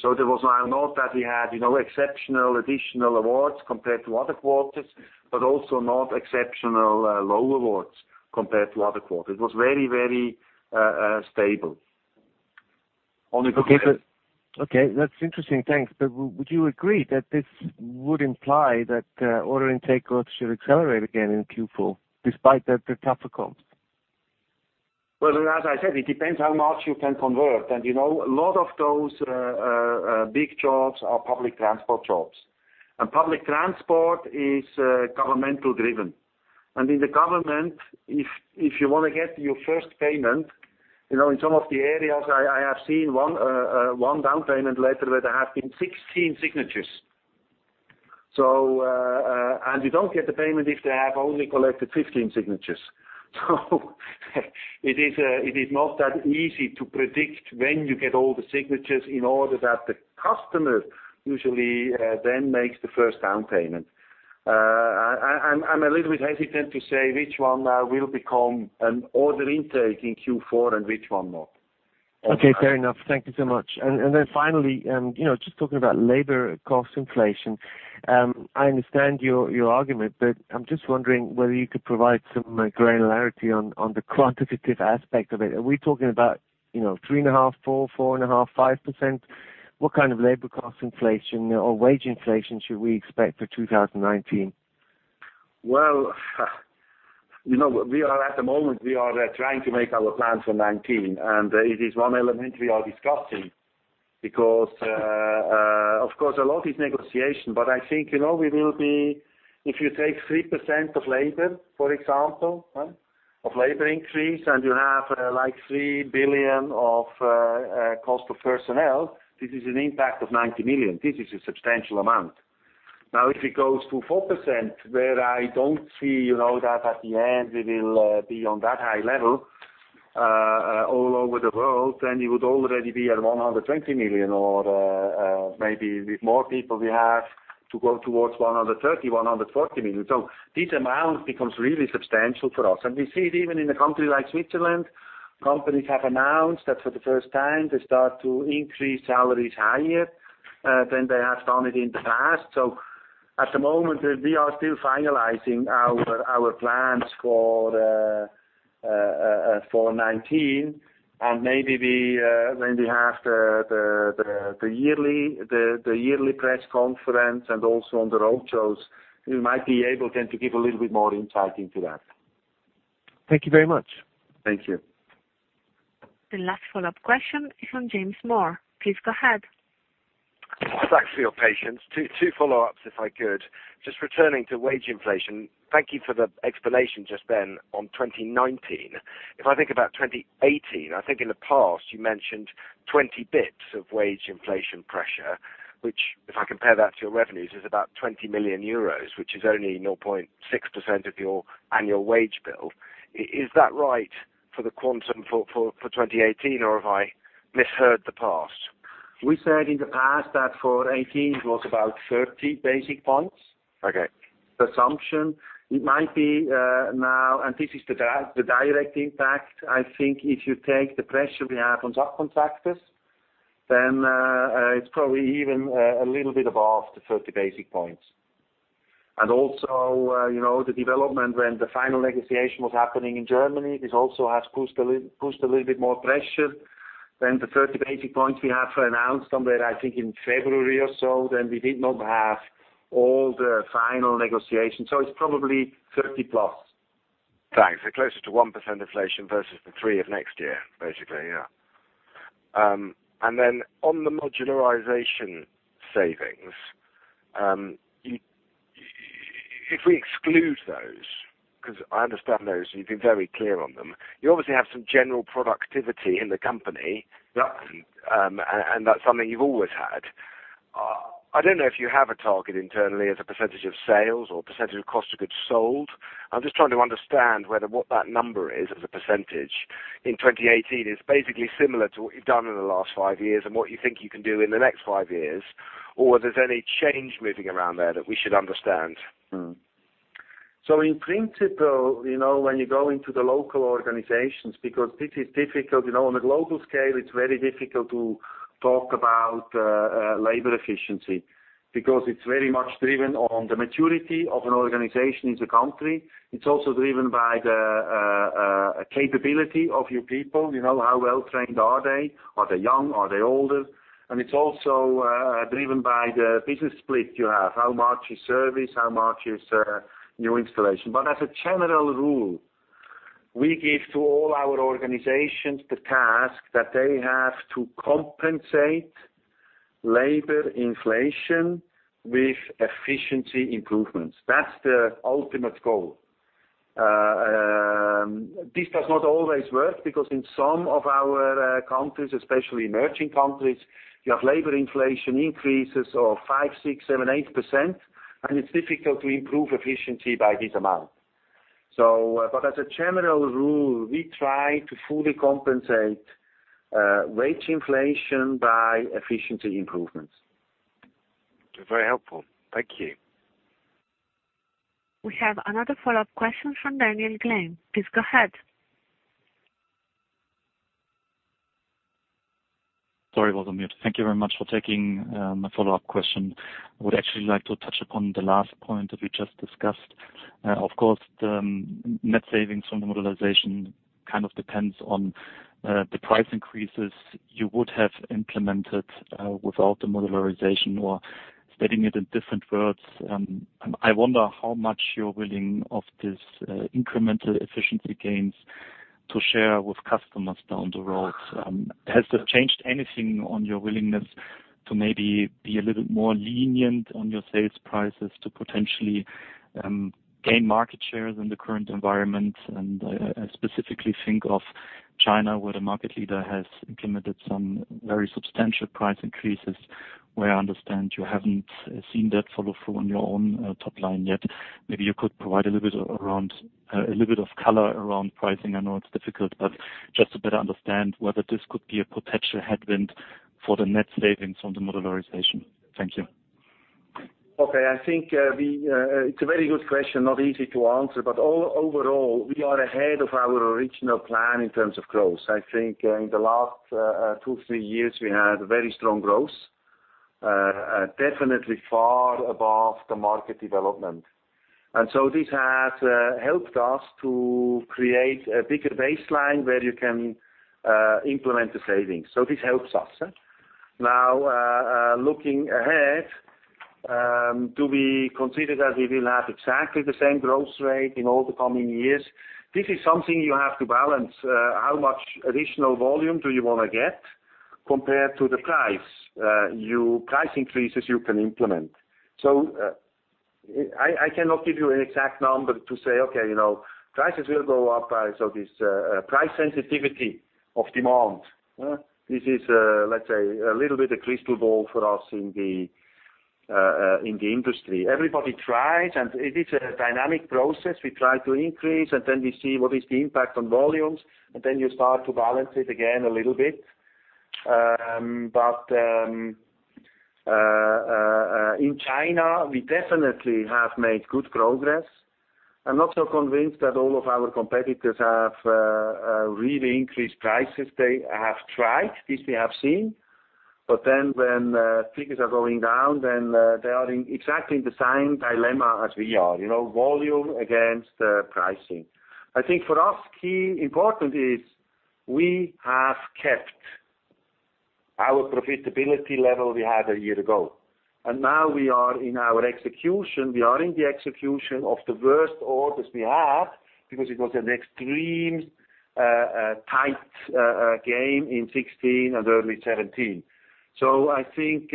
B: There was not that we had exceptional additional awards compared to other quarters, but also not exceptional low awards compared to other quarters. It was very stable.
P: Okay. That's interesting. Thanks. Would you agree that this would imply that order intake growth should accelerate again in Q4 despite the tougher comp?
B: Well, as I said, it depends how much you can convert. A lot of those big jobs are public transport jobs. Public transport is governmental driven. In the government, if you want to get your first payment, in some of the areas I have seen one down payment letter where there have been 16 signatures. You don't get the payment if they have only collected 15 signatures. It is not that easy to predict when you get all the signatures in order that the customer usually then makes the first down payment. I'm a little bit hesitant to say which one will become an order intake in Q4 and which one not.
P: Okay, fair enough. Thank you so much. Then finally, just talking about labor cost inflation. I understand your argument, but I'm just wondering whether you could provide some granularity on the quantitative aspect of it. Are we talking about 3.5%, 4%, 4.5%, 5%? What kind of labor cost inflation or wage inflation should we expect for 2019?
B: Well, we are at the moment, we are trying to make our plans for 2019, it is one element we are discussing because, of course, a lot is negotiation. I think, if you take 3% of labor, for example, of labor increase, you have 3 billion of cost of personnel, this is an impact of 90 million. This is a substantial amount. If it goes to 4%, where I don't see that at the end, we will be on that high level all over the world, then you would already be at 120 million or maybe with more people we have to go towards 130 million, 140 million. This amount becomes really substantial for us. We see it even in a country like Switzerland. Companies have announced that for the first time they start to increase salaries higher than they have done it in the past. At the moment, we are still finalizing our plans for 2019 and maybe when we have the yearly press conference and also on the road shows, we might be able then to give a little bit more insight into that.
P: Thank you very much.
B: Thank you.
A: The last follow-up question is from James Moore. Please go ahead.
H: Thanks for your patience. Two follow-ups, if I could. Just returning to wage inflation. Thank you for the explanation just then on 2019. If I think about 2018, I think in the past you mentioned 20 bps of wage inflation pressure, which, if I compare that to your revenues, is about 20 million euros, which is only 0.6% of your annual wage bill. Is that right for the quantum for 2018, or have I misheard the past?
B: We said in the past that for 2018 it was about 30 basis points.
H: Okay.
B: Assumption. It might be now, this is the direct impact. I think if you take the pressure we have on subcontractors, then it's probably even a little bit above the 30 basis points. Also the development when the final negotiation was happening in Germany, this also has pushed a little bit more pressure than the 30 basis points we have announced somewhere, I think, in February or so, then we did not have all the final negotiations. It's probably 30 plus.
H: Thanks. Closer to 1% inflation versus the three of next year, basically, yeah. Then on the modularity program savings, if we exclude those, because I understand those, you've been very clear on them. You obviously have some general productivity in the company.
B: Yeah.
H: That's something you've always had. I don't know if you have a target internally as a percentage of sales or percentage of cost of goods sold. I'm just trying to understand whether what that number is as a percentage in 2018 is basically similar to what you've done in the last five years and what you think you can do in the next five years, or whether there's any change moving around there that we should understand.
B: In principle, when you go into the local organizations, because this is difficult. On a global scale, it's very difficult to talk about labor efficiency because it's very much driven on the maturity of an organization in the country. It's also driven by the capability of your people, how well-trained are they? Are they young? Are they older? It's also driven by the business split you have. How much is service, how much is new installation? As a general rule, we give to all our organizations the task that they have to compensate labor inflation with efficiency improvements. That's the ultimate goal. This does not always work because in some of our countries, especially emerging countries, you have labor inflation increases of five, six, seven, 8%, and it's difficult to improve efficiency by this amount. As a general rule, we try to fully compensate wage inflation by efficiency improvements.
H: Very helpful. Thank you.
A: We have another follow-up question from Daniel Gleim. Please go ahead.
O: Sorry, was on mute. Thank you very much for taking my follow-up question. I would actually like to touch upon the last point that we just discussed. Of course, the net savings from the modularization kind of depends on the price increases you would have implemented without the modularization or stating it in different words. I wonder how much you're willing of this incremental efficiency gains to share with customers down the road. Has this changed anything on your willingness to maybe be a little more lenient on your sales prices to potentially gain market share in the current environment? I specifically think of China, where the market leader has implemented some very substantial price increases, where I understand you haven't seen that follow through on your own top line yet. Maybe you could provide a little bit of color around pricing. I know it's difficult, but just to better understand whether this could be a potential headwind for the net savings on the modularization. Thank you.
B: Okay. I think it's a very good question. Not easy to answer, but overall, we are ahead of our original plan in terms of growth. I think in the last two, three years, we had very strong growth, definitely far above the market development. This has helped us to create a bigger baseline where you can implement the savings. This helps us. Now, looking ahead, do we consider that we will have exactly the same growth rate in all the coming years? This is something you have to balance. How much additional volume do you want to get compared to the price increases you can implement. I cannot give you an exact number to say, okay, prices will go up. This price sensitivity of demand, this is, let's say, a little bit a crystal ball for us in the industry. Everybody tries, it is a dynamic process. We try to increase, we see what is the impact on volumes, you start to balance it again a little bit. In China, we definitely have made good progress. I'm not so convinced that all of our competitors have really increased prices. They have tried. This we have seen. When figures are going down, they are in exactly the same dilemma as we are. Volume against pricing. I think for us, key important is we have kept our profitability level we had a year ago. Now we are in our execution. We are in the execution of the worst orders we have because it was an extreme tight game in 2016 and early 2017. I think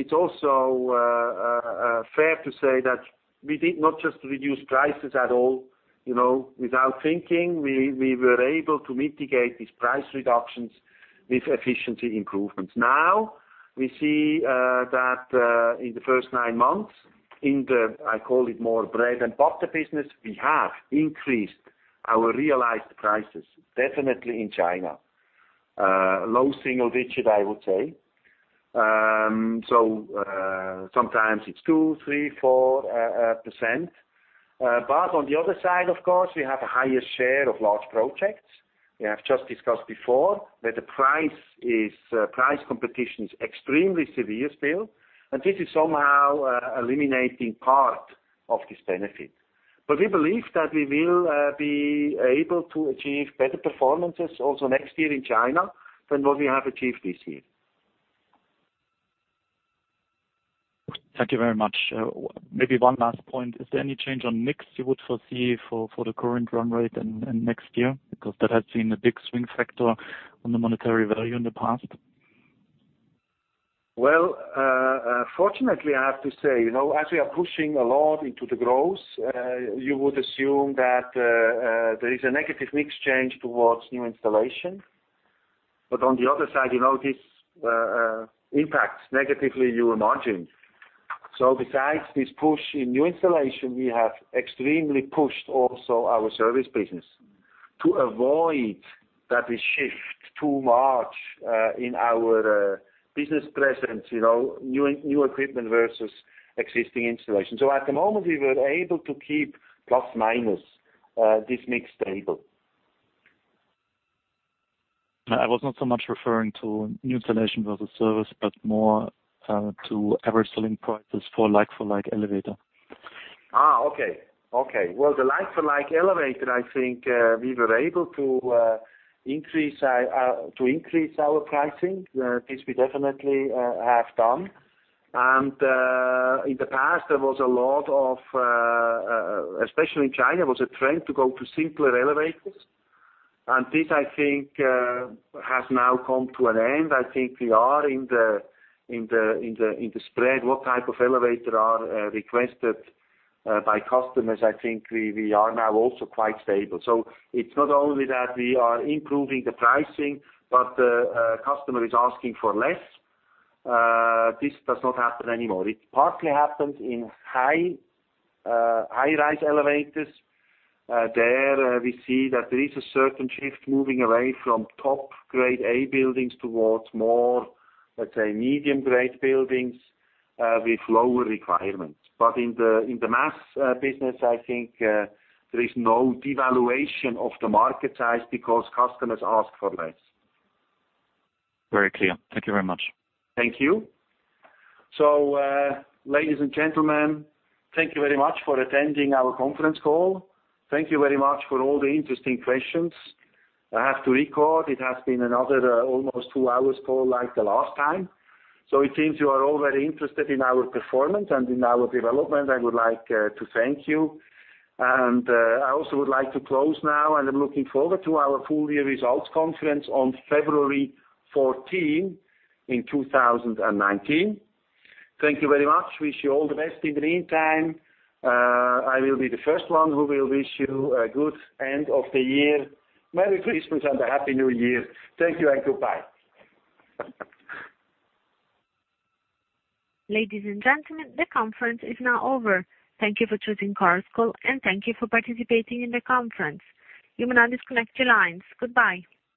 B: it's also fair to say that we did not just reduce prices at all without thinking. We were able to mitigate these price reductions with efficiency improvements. We see that in the first nine months in the, I call it more bread and butter business, we have increased our realized prices, definitely in China. Low single digit, I would say. Sometimes it's 2%, 3%, 4%. On the other side, of course, we have a higher share of large projects. We have just discussed before that the price competition is extremely severe still, and this is somehow eliminating part of this benefit. We believe that we will be able to achieve better performances also next year in China than what we have achieved this year.
O: Thank you very much. Maybe one last point. Is there any change on mix you would foresee for the current run rate and next year? That has been a big swing factor on the monetary value in the past.
B: Well, fortunately, I have to say, as we are pushing a lot into the growth, you would assume that there is a negative mix change towards new installation. On the other side, this impacts negatively your margin. Besides this push in new installation, we have extremely pushed also our service business to avoid that we shift too much in our business presence, new equipment versus existing installation. At the moment we were able to keep plus minus this mix stable.
O: I was not so much referring to new installation versus service, but more to average selling prices for like for like elevator.
B: Okay. Well, the like for like elevator, I think we were able to increase our pricing. This we definitely have done. In the past, especially in China, was a trend to go to simpler elevators. This I think has now come to an end. I think we are in the spread, what type of elevator are requested by customers, I think we are now also quite stable. It's not only that we are improving the pricing, but the customer is asking for less. This does not happen anymore. It partly happens in high rise elevators. There we see that there is a certain shift moving away from top grade A buildings towards more, let's say, medium grade buildings with lower requirements. But in the mass business, I think there is no devaluation of the market size because customers ask for less.
O: Very clear. Thank you very much.
B: Thank you. Ladies and gentlemen, thank you very much for attending our conference call. Thank you very much for all the interesting questions. I have to recall it has been another almost two hours call like the last time. It seems you are all very interested in our performance and in our development. I would like to thank you. I also would like to close now, and I'm looking forward to our full year results conference on February 14 in 2019. Thank you very much. Wish you all the best. In the meantime, I will be the first one who will wish you a good end of the year. Merry Christmas and a Happy New Year. Thank you and goodbye.
A: Ladies and gentlemen, the conference is now over. Thank you for choosing Chorus Call and thank you for participating in the conference. You may now disconnect your lines. Goodbye